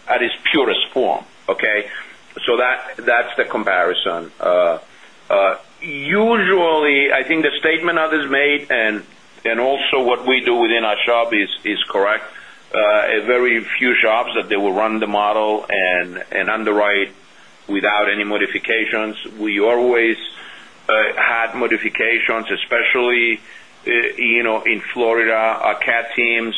at its purest form, okay? That's the comparison. Usually, I think the statement others made, also what we do within our shop is correct. Very few shops that they will run the model and underwrite without any modifications. We always had modifications, especially in Florida. Our cat teams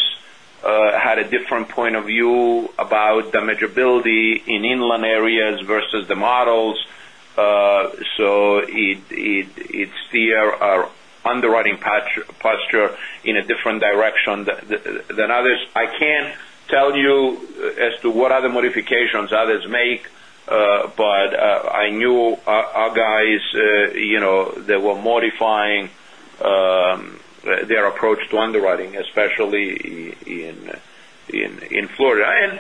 had a different point of view about damageability in inland areas versus the models. It steer our underwriting posture in a different direction than others. I can't tell you as to what other modifications others make. I knew our guys, they were modifying their approach to underwriting, especially in Florida.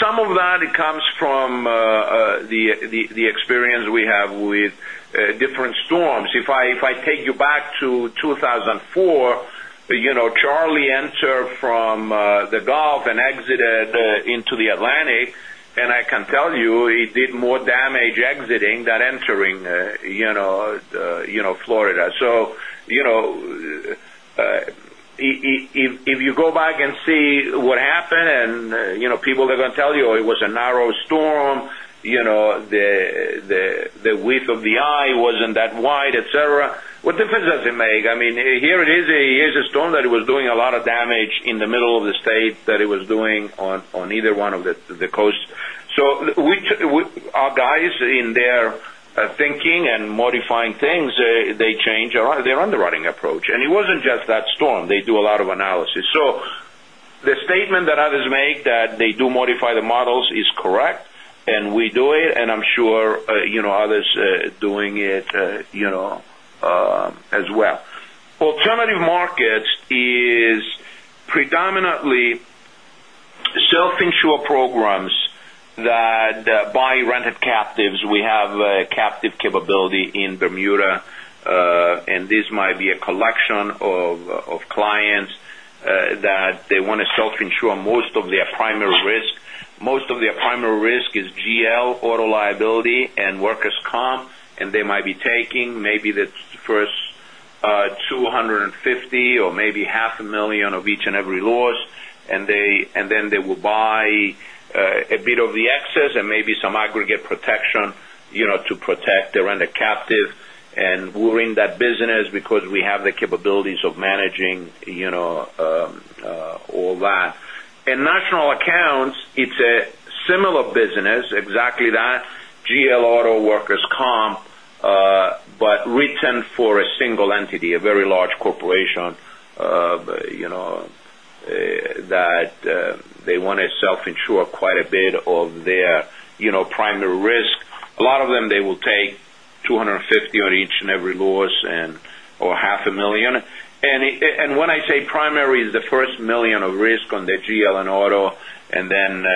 Some of that comes from the experience we have with different storms. If I take you back to 2004, Charley entered from the Gulf and exited into the Atlantic, I can tell you he did more damage exiting than entering Florida. If you go back and see what happened, people are going to tell you it was a narrow storm, the width of the eye wasn't that wide, et cetera. What difference does it make? Here it is. Here's a storm that was doing a lot of damage in the middle of the state than it was doing on either one of the coasts. Our guys, in their thinking and modifying things, they change their underwriting approach. It wasn't just that storm. They do a lot of analysis. The statement that others make that they do modify the models is correct, we do it, I'm sure others doing it as well. Alternative markets is predominantly self-insure programs that buy rented captives. We have a captive capability in Bermuda. This might be a collection of clients that they want to self-insure most of their primary risk. Most of their primary risk is GL auto liability and workers' comp, they might be taking maybe the first $250 or maybe half a million of each and every loss, then they will buy a bit of the excess and maybe some aggregate protection to protect around the captive. We're in that business because we have the capabilities of managing all that. In national accounts, it's a similar business, exactly that, GL auto workers' comp, written for a single entity, a very large corporation that they want to self-insure quite a bit of their primary risk. A lot of them, they will take $250 on each and every loss and/or half a million. When I say primary, is the first $1 million of risk on the GL and auto and then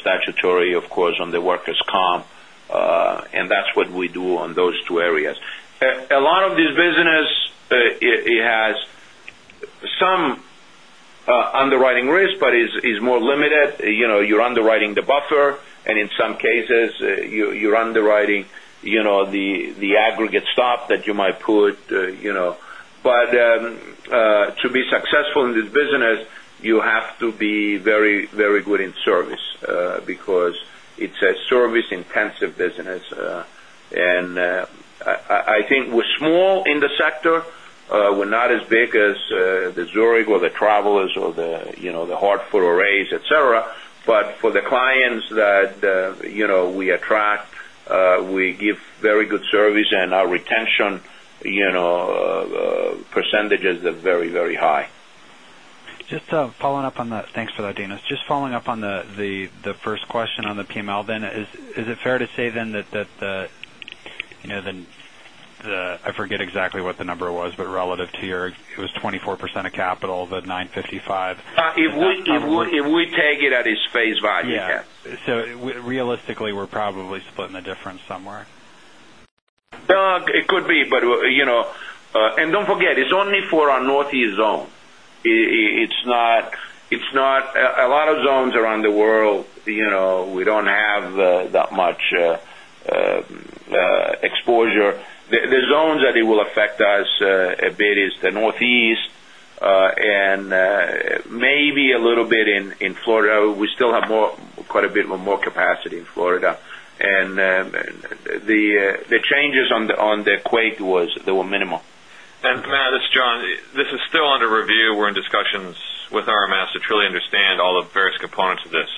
statutory, of course, on the workers' comp. That's what we do on those two areas. A lot of this business, it has some underwriting risk, is more limited. You're underwriting the buffer, in some cases, you're underwriting the aggregate stop that you might put. To be successful in this business, you have to be very good in service because it's a service-intensive business. I think we're small in the sector. We're not as big as the Zurich or the Travelers or the Hartford or AIGs, et cetera. For the clients that we attract, we give very good service, our retention percentages are very high. Thanks for that, Dino. Just following up on the first question on the PML then, is it fair to say then that the, I forget exactly what the number was, but relative to your, it was 24% of capital, the 955. If we take it at its face value, yeah. Realistically, we're probably splitting the difference somewhere. It could be. Don't forget, it's only for our Northeast zone. A lot of zones around the world, we don't have that much exposure. The zones that it will affect us a bit is the Northeast and maybe a little bit in Florida. We still have quite a bit more capacity in Florida. The changes on the quake was they were minimal. Matt, it's John. This is still under review. We're in discussions with RMS to truly understand all the various components of this.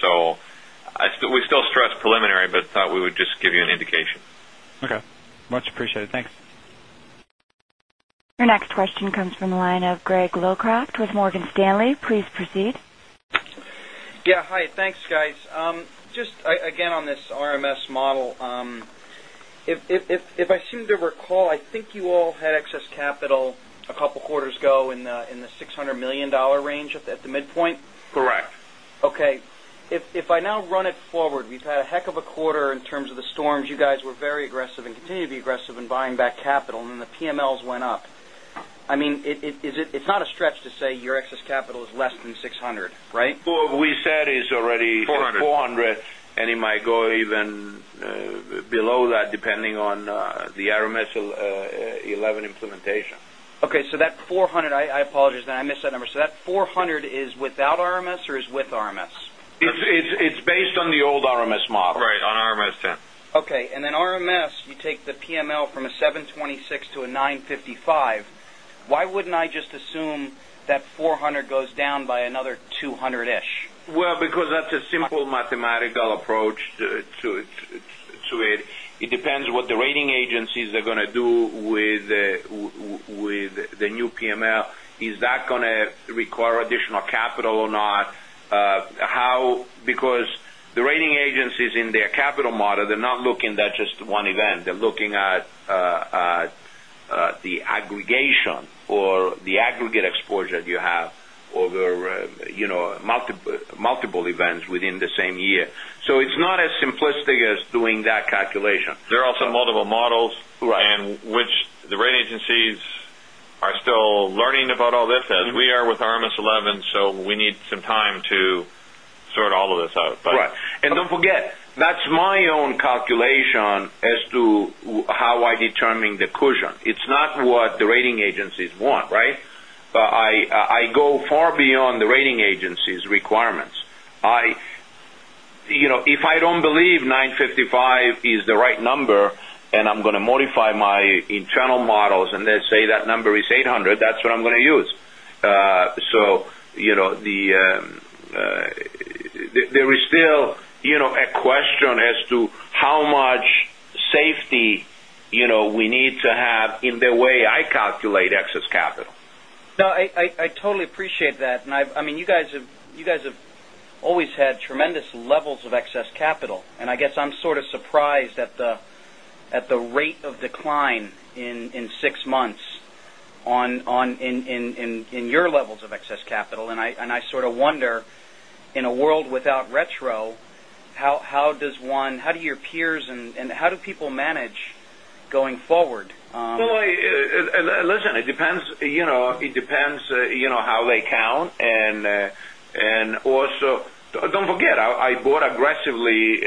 We still stress preliminary, but thought we would just give you an indication. Okay. Much appreciated. Thanks. Your next question comes from the line of Greg Locraft with Morgan Stanley. Please proceed. Yeah. Hi. Thanks, guys. Just again, on this RMS model. If I seem to recall, I think you all had excess capital a couple of quarters ago in the $600 million range at the midpoint? Correct. Okay. If I now run it forward, we've had a heck of a quarter in terms of the storms. You guys were very aggressive and continue to be aggressive in buying back capital, and then the PMLs went up. It's not a stretch to say your excess capital is less than $600, right? Well, we said it's already- 400 $400, and it might go even below that depending on the RMS 11 implementation. Okay. That $400, I apologize that I missed that number. That $400 is without RMS or is with RMS? It's based on the old RMS model. Right, on RMS 10. Okay. Then RMS, you take the PML from a 726 to a 955. Why wouldn't I just assume that 400 goes down by another 200-ish? Well, that's a simple mathematical approach to it. It depends what the rating agencies are going to do with the new PML. Is that going to require additional capital or not? The rating agencies in their capital model, they're not looking at just one event. They're looking at the aggregation or the aggregate exposure that you have over multiple events within the same year. It's not as simplistic as doing that calculation. There are also multiple models. Right. Which the rating agencies are still learning about all this, as we are with RMS 11, so we need some time to sort all of this out. Right. Don't forget, that's my own calculation as to how I determine the cushion. It's not what the rating agencies want. I go far beyond the rating agencies' requirements. If I don't believe 955 is the right number and I'm going to modify my internal models and let's say that number is 800, that's what I'm going to use. There is still a question as to how much safety we need to have in the way I calculate excess capital. No, I totally appreciate that. You guys have always had tremendous levels of excess capital, and I guess I'm sort of surprised at the rate of decline in six months in your levels of excess capital. I sort of wonder, in a world without retro, how do your peers and how do people manage going forward? Listen, it depends how they count. Also, don't forget, I bought aggressively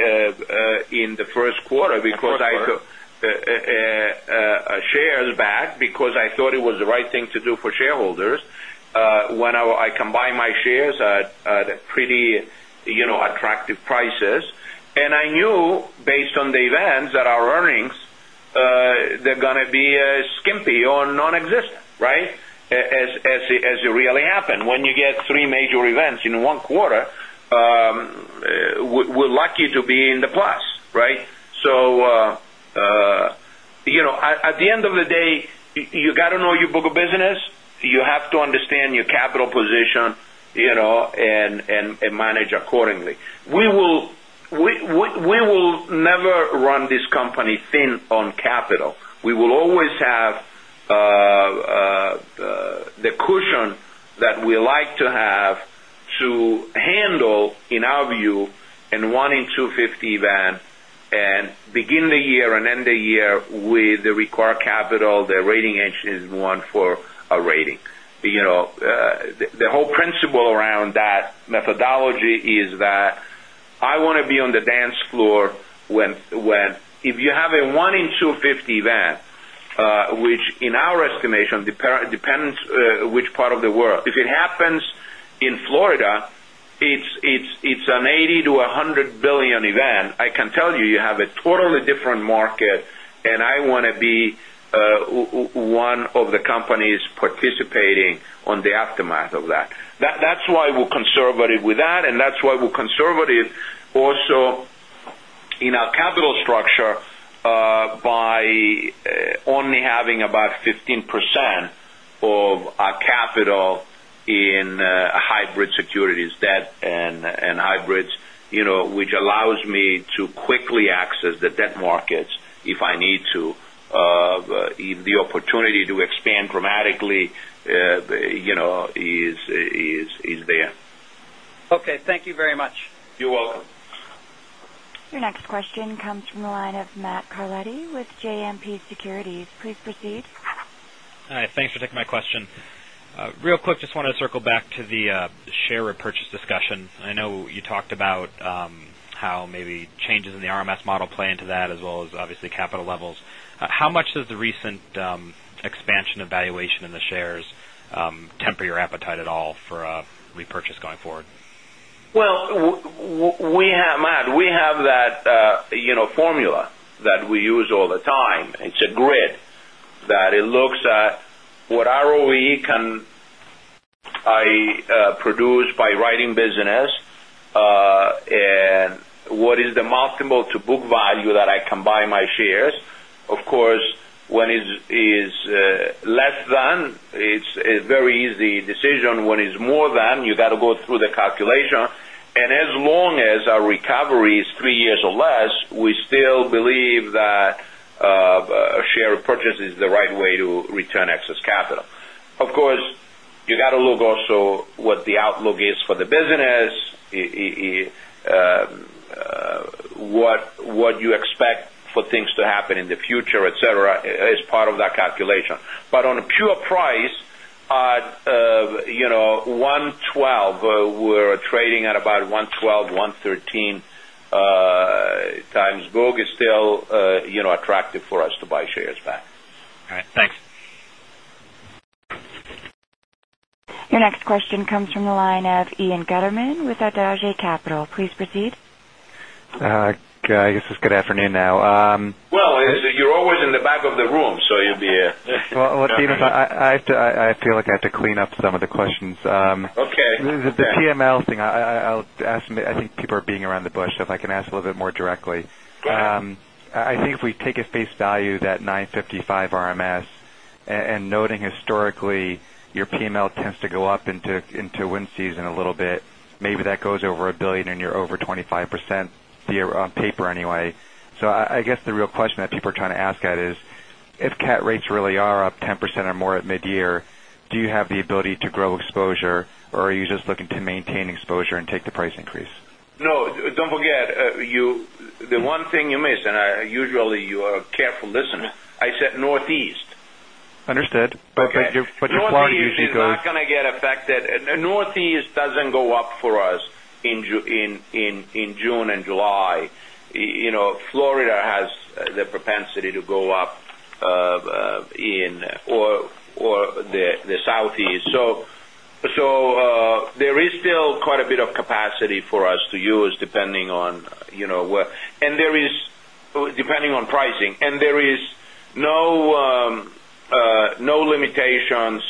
in the first quarter because I took shares back because I thought it was the right thing to do for shareholders. When I combine my shares at pretty attractive prices, I knew based on the events that our earnings, they're going to be skimpy or nonexistent, right? As it really happened. When you get three major events in one quarter, we're lucky to be in the plus, right? At the end of the day, you got to know your book of business, you have to understand your capital position, and manage accordingly. We will never run this company thin on capital. We will always have the cushion that we like to have to handle, in our view, a one in 250 event, and begin the year and end the year with the required capital the rating agencies want for a rating. The whole principle around that methodology is that I want to be on the dance floor when if you have a one in 250 event, which in our estimation, depends which part of the world. If it happens in Florida, it's an $80 billion-$100 billion event. I can tell you have a totally different market, and I want to be one of the companies participating on the aftermath of that. That's why we're conservative with that's why we're conservative also in our capital structure, by only having about 15% of our capital in hybrid securities debt and hybrids which allows me to quickly access the debt markets if I need to. The opportunity to expand dramatically is there. Okay. Thank you very much. You're welcome. Your next question comes from the line of Matthew Carletti with JMP Securities. Please proceed. Hi. Thanks for taking my question. Real quick, just wanted to circle back to the share repurchase discussion. I know you talked about how maybe changes in the RMS model play into that, as well as obviously capital levels. How much does the recent expansion evaluation in the shares temper your appetite at all for repurchase going forward? Well, Matt, we have that formula that we use all the time. It's a grid that it looks at what ROE can I produce by writing business, and what is the multiple to book value that I combine my shares. Of course, when it's less than, it's a very easy decision. When it's more than, you got to go through the calculation. As long as our recovery is three years or less, we still believe that share repurchase is the right way to return excess capital. Of course, you got to look also what the outlook is for the business, what you expect for things to happen in the future, et cetera, as part of that calculation. On a pure price of 112, we're trading at about 112, 113 times book. It's still attractive for us to buy shares back. All right. Thanks. Your next question comes from the line of Ian Gutterman with Adage Capital. Please proceed. I guess it's good afternoon now. Well, you're always in the back of the room, so you'll be Dino, I feel like I have to clean up some of the questions. Okay. The PML thing, I think people are beating around the bush, if I can ask a little bit more directly. Sure. I think if we take a face value that 955 RMS, noting historically, your PML tends to go up into wind season a little bit. Maybe that goes over $1 billion and you're over 25%, on paper anyway. I guess the real question that people are trying to ask at is, if CAT rates really are up 10% or more at mid-year, do you have the ability to grow exposure, or are you just looking to maintain exposure and take the price increase? No. Don't forget, the one thing you missed, usually you are a careful listener, I said Northeast. Understood. Your plan usually goes- Northeast is not going to get affected. Northeast doesn't go up for us in June and July. Florida has the propensity to go up, or the Southeast. There is still quite a bit of capacity for us to use depending on pricing, and there is no limitations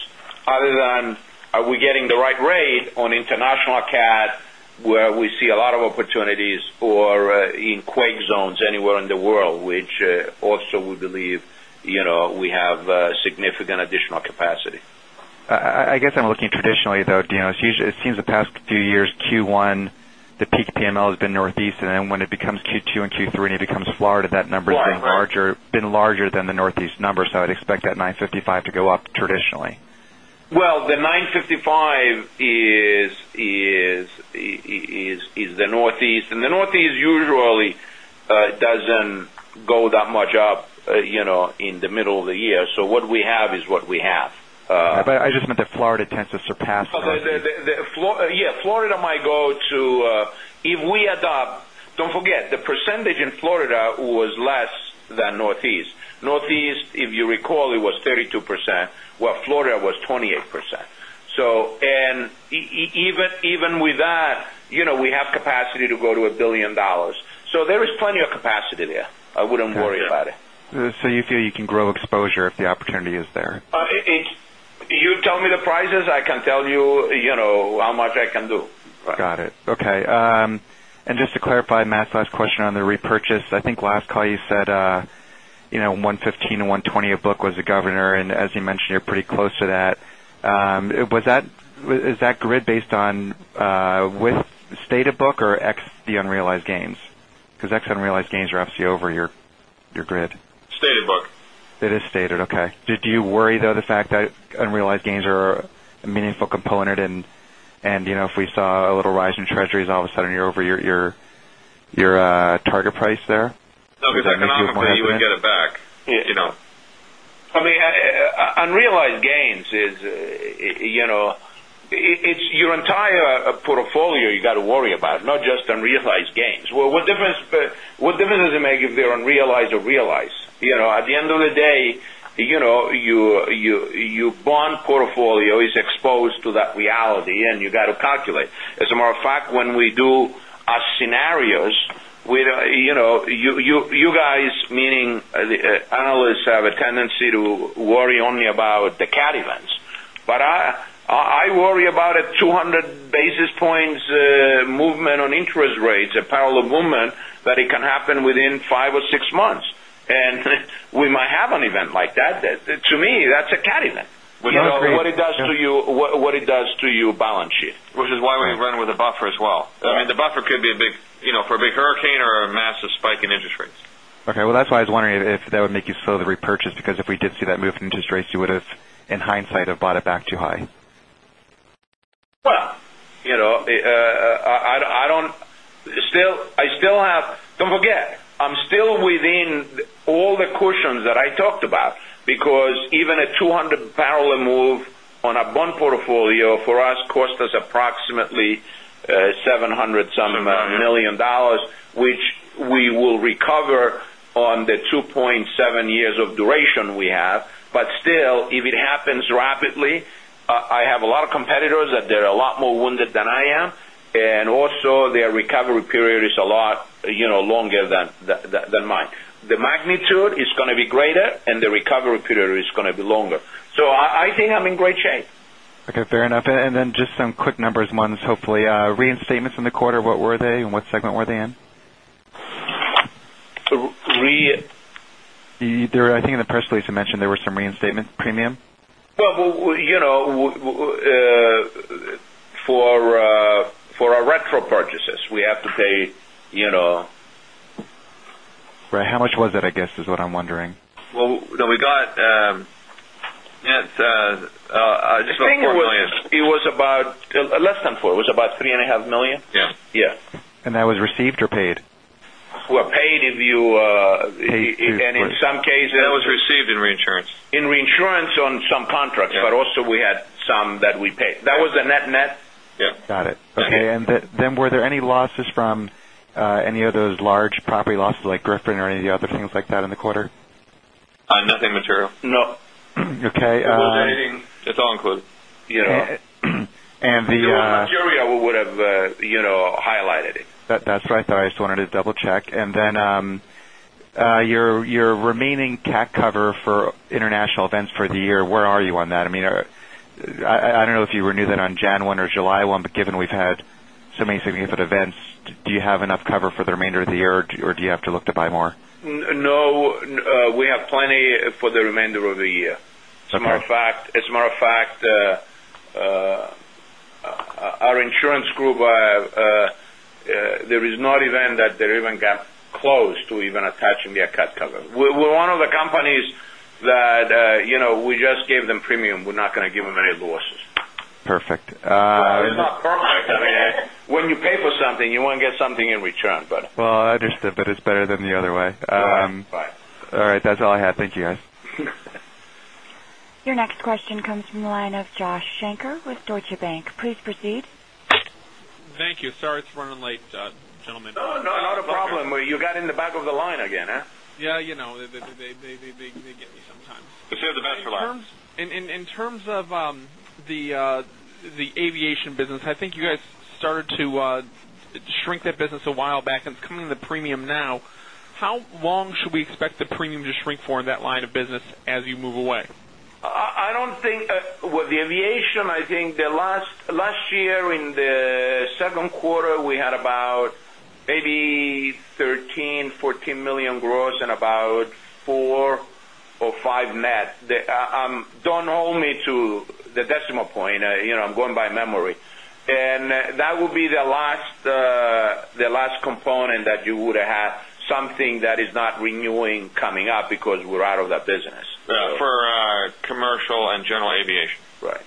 other than are we getting the right rate on international CAT, where we see a lot of opportunities, or in quake zones anywhere in the world, which also we believe we have significant additional capacity. I guess I'm looking traditionally, though, Dinos. It seems the past few years, Q1, the peak PML has been Northeast, and then when it becomes Q2 and Q3 and it becomes Florida, that number- Florida has been larger than the Northeast numbers. I'd expect that 955 to go up traditionally. Well, the 955 is the Northeast. The Northeast usually doesn't go that much up in the middle of the year. What we have is what we have. I just meant that Florida tends to surpass Northeast. Yeah. If we adopt Don't forget, the percentage in Florida was less than Northeast. Northeast, if you recall, it was 32%, where Florida was 28%. Even with that, we have capacity to go to $1 billion. There is plenty of capacity there. I wouldn't worry about it. You feel you can grow exposure if the opportunity is there? You tell me the prices, I can tell you how much I can do. Got it. Okay. Just to clarify Matt's last question on the repurchase, I think last call you said, $115-$120 a book was the governor, and as you mentioned, you're pretty close to that. Is that grid based on with stated book or ex the unrealized gains? Because ex unrealized gains are FC over your grid. Stated book. It is stated. Okay. Do you worry, though, the fact that unrealized gains are a meaningful component and if we saw a little rise in treasuries, all of a sudden you're over your target price there? Does that make you a bit nervous? No, because economically, you would get it back. I mean, unrealized gains, it's your entire portfolio you got to worry about, not just unrealized gains. What difference does it make if they're unrealized or realized? At the end of the day, your bond portfolio is exposed to that reality, and you got to calculate. As a matter of fact, when we do our scenarios, you guys, meaning analysts, have a tendency to worry only about the cat events. I worry about a 200 basis points movement on interest rates, a parallel movement, that it can happen within 5 or 6 months. We might have an event like that. To me, that's a cat event. What it does to your balance sheet. Which is why we run with a buffer as well. I mean, the buffer could be for a big hurricane or a massive spike in interest rates. Okay. Well, that's why I was wondering if that would make you slow the repurchase, because if we did see that move in interest rates, you would have, in hindsight, have bought it back too high. Don't forget, I'm still within all the cushions that I talked about. Even a 200 parallel move on a bond portfolio for us cost us approximately $700-some million, which we will recover on the 2.7 years of duration we have. Still, if it happens rapidly, I have a lot of competitors that they're a lot more wounded than I am, and also their recovery period is a lot longer than mine. The magnitude is going to be greater, and the recovery period is going to be longer. I think I'm in great shape. Okay. Fair enough. Just some quick numbers ones, hopefully. Reinstatements in the quarter, what were they, and what segment were they in? Re- I think in the press release you mentioned there were some reinstatement premium. For our retro purchases, we have to pay. Right. How much was that, I guess, is what I'm wondering. Well, we got, Matt, just about $4 million. I think it was about less than four. It was about three and a half million dollars. Yeah. Yeah. That was received or paid? Well, paid. Paid. In some cases. That was received in reinsurance. In reinsurance on some contracts. Yeah. Also we had some that we paid. That was the net-net. Yeah. Got it. Okay. Then were there any losses from any of those large property losses like Gryphon or any of the other things like that in the quarter? Nothing material. No. Okay. It was raining. It's all included. And the- If it was material, we would have highlighted it. That's what I thought. I just wanted to double-check. Then your remaining cat cover for international events for the year, where are you on that? I don't know if you renew that on January 1 or July 1, but given we've had so many significant events, do you have enough cover for the remainder of the year, or do you have to look to buy more? No, we have plenty for the remainder of the year. Okay. As a matter of fact, our insurance group, there is no event that they even got close to even attaching me a cat cover. We're one of the companies that we just gave them premium. We're not going to give them any losses. Perfect. It's not perfect. I mean, when you pay for something, you want to get something in return. Well, I understand, but it's better than the other way. Right. All right. That's all I have. Thank you, guys. Your next question comes from the line of Joshua Shanker with Deutsche Bank. Please proceed. Thank you. Sorry, it's running late, gentlemen. No, not a problem. You got in the back of the line again, huh? Yeah, they get me sometimes. Save the best for last. In terms of the aviation business, I think you guys started to shrink that business a while back, and it's coming to premium now. How long should we expect the premium to shrink for in that line of business as you move away? With the aviation, I think last year in the second quarter, we had about maybe $13 million-$14 million gross and about $4 million-$5 million net. Don't hold me to the decimal point. I'm going by memory. That would be the last component that you would have something that is not renewing coming up because we're out of that business. For commercial and general aviation. Right.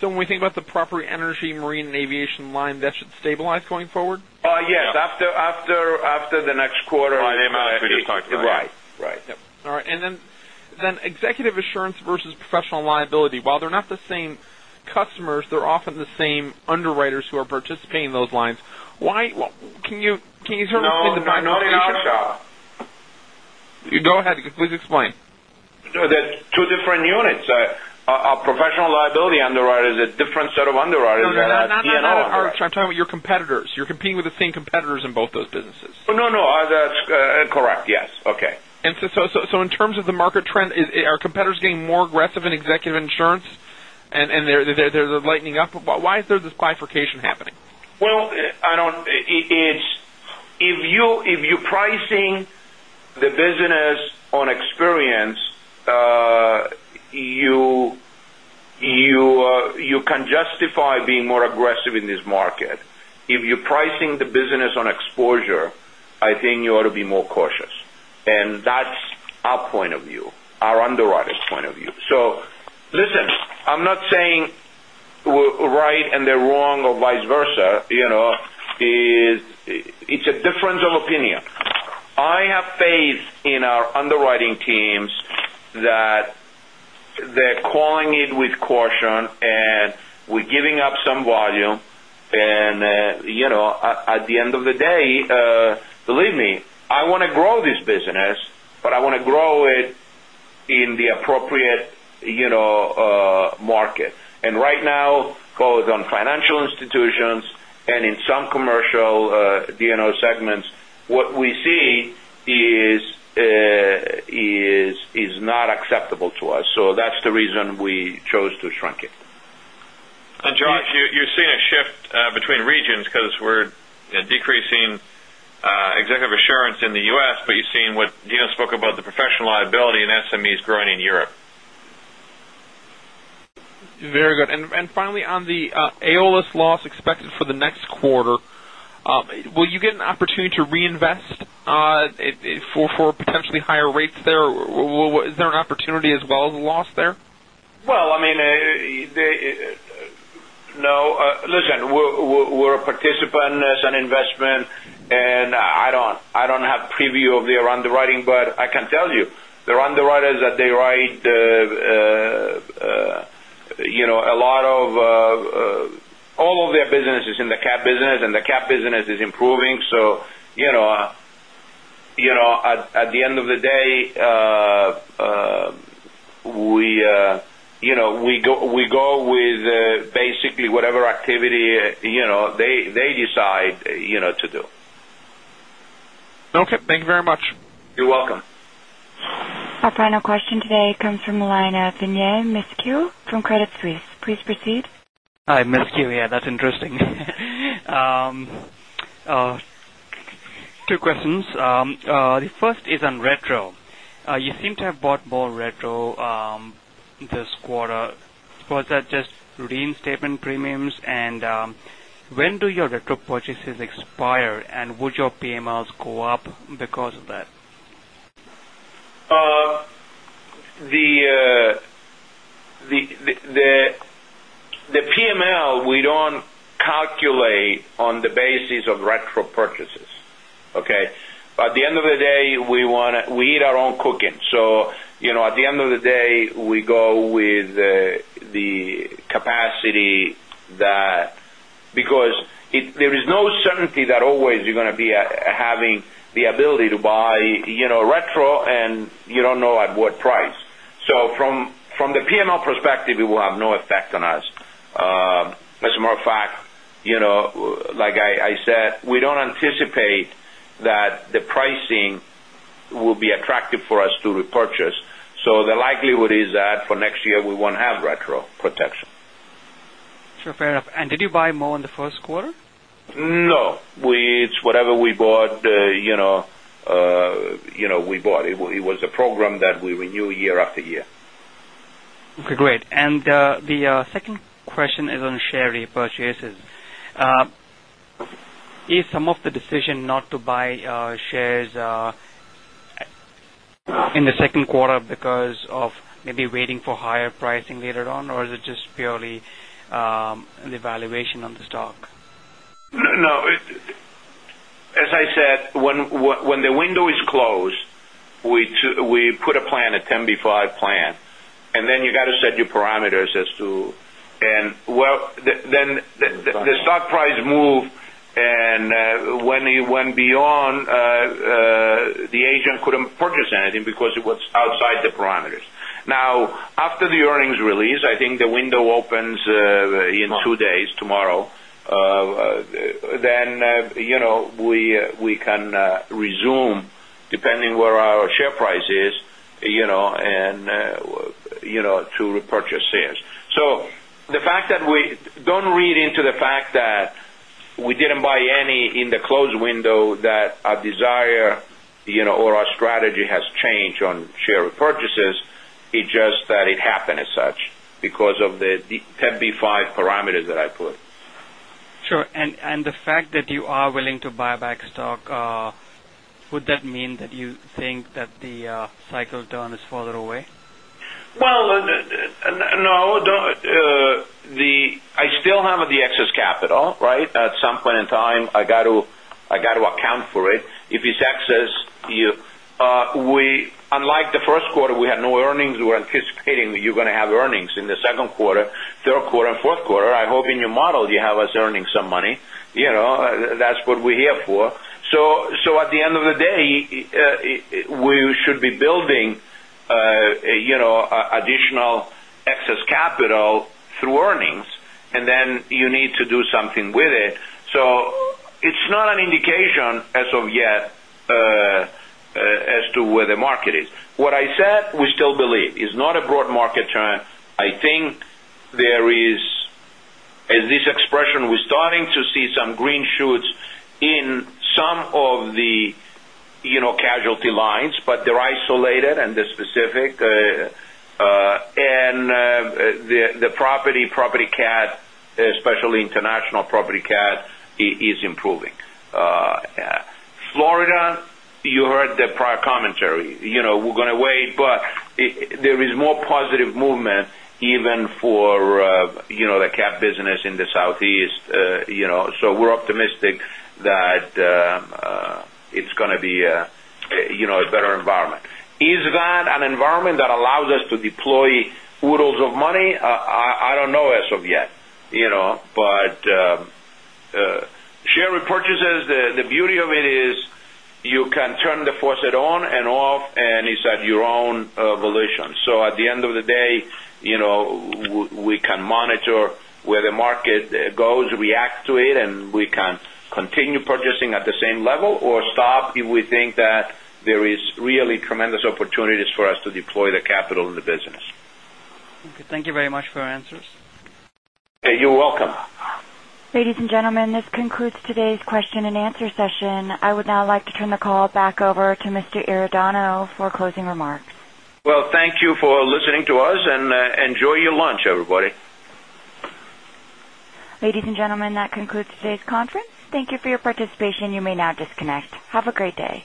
When we think about the property, energy, marine, and aviation line, that should stabilize going forward? Yes. After the next quarter. By the amount that we just talked about. Right. Executive assurance versus professional liability. While they're not the same customers, they're often the same underwriters who are participating in those lines. Can you sort of explain? No. -differentiation? No, no, I'll shout. Go ahead. Please explain. No, they're two different units. A professional liability underwriter is a different set of underwriters than a D&O underwriter. No, I'm talking about your competitors. You're competing with the same competitors in both those businesses. No. That's correct. Yes. Okay. In terms of the market trend, are competitors getting more aggressive in executive insurance and they're lightening up? Why is there this bifurcation happening? Well, if you're pricing the business on experience, you can justify being more aggressive in this market. If you're pricing the business on exposure, I think you ought to be more cautious. That's our point of view, our underwriter's point of view. Listen, I'm not saying we're right and they're wrong or vice versa. It's a difference of opinion. I have faith in our underwriting teams that they're calling it with caution, and we're giving up some volume. At the end of the day, believe me, I want to grow this business, but I want to grow it in the appropriate market. Right now, both on financial institutions and in some commercial D&O segments, what we see is not acceptable to us. That's the reason we chose to shrink it. Josh, you're seeing a shift between regions because we're decreasing executive assurance in the U.S., but you're seeing what Dino spoke about, the professional liability in SMEs growing in Europe. Very good. Finally, on the Aon loss expected for the next quarter, will you get an opportunity to reinvest for potentially higher rates there? Is there an opportunity as well as a loss there? Well, listen, we're a participant in Sun Investment, I don't have preview of their underwriting, I can tell you, the underwriters that they write, all of their business is in the cap business, the cap business is improving. At the end of the day, we go with basically whatever activity they decide to do. Okay. Thank you very much. You're welcome. Our final question today comes from the line of Vinay Misquith from Credit Suisse. Please proceed. Hi. Misquith. Yeah, that's interesting. Two questions. The first is on retro. You seem to have bought more retro this quarter. Was that just reinstatement premiums? When do your retro purchases expire, and would your PMLs go up because of that? The PML, we don't calculate on the basis of retro purchases. Okay? By the end of the day, we eat our own cooking. At the end of the day, we go with the capacity that Because there is no certainty that always you're going to be having the ability to buy retro, and you don't know at what price. From the PML perspective, it will have no effect on us. As a matter of fact, like I said, we don't anticipate that the pricing will be attractive for us to repurchase. The likelihood is that for next year, we won't have retro protection. Sure. Fair enough. Did you buy more in the first quarter? No. It's whatever we bought. It was a program that we renew year after year. Okay, great. The second question is on share repurchases. Is some of the decision not to buy shares in the second quarter because of maybe waiting for higher pricing later on, or is it just purely the valuation of the stock? No. As I said, when the window is closed, we put a plan, a 10b5-1 plan, and then you got to set your parameters. The stock price moved, and when it went beyond, the agent couldn't purchase anything because it was outside the parameters. After the earnings release, I think the window opens in two days, tomorrow. We can resume, depending where our share price is, to repurchase shares. Don't read into the fact that we didn't buy any in the closed window that our desire, or our strategy has changed on share repurchases. It's just that it happened as such because of the 10b5-1 parameters that I put. Sure. The fact that you are willing to buy back stock, would that mean that you think that the cycle turn is further away? Well, no. It's capital, right? At some point in time, I got to account for it. If it's excess, unlike the first quarter, we had no earnings. We're anticipating that you're going to have earnings in the second quarter, third quarter, and fourth quarter. I hope in your model, you have us earning some money. That's what we're here for. At the end of the day, we should be building additional excess capital through earnings, and then you need to do something with it. It's not an indication as of yet as to where the market is. What I said, we still believe. It's not a broad market trend. I think there is this expression, we're starting to see some green shoots in some of the casualty lines, but they're isolated and they're specific. The property cat, especially international property cat, is improving. Florida, you heard the prior commentary. We're going to wait, but there is more positive movement even for the cat business in the Southeast. We're optimistic that it's going to be a better environment. Is that an environment that allows us to deploy oodles of money? I don't know as of yet. Share repurchases, the beauty of it is you can turn the faucet on and off, and it's at your own volition. At the end of the day, we can monitor where the market goes, react to it, and we can continue purchasing at the same level or stop if we think that there is really tremendous opportunities for us to deploy the capital in the business. Okay. Thank you very much for your answers. You're welcome. Ladies and gentlemen, this concludes today's question and answer session. I would now like to turn the call back over to Mr. Iordanou for closing remarks. Well, thank you for listening to us, and enjoy your lunch, everybody. Ladies and gentlemen, that concludes today's conference. Thank you for your participation. You may now disconnect. Have a great day.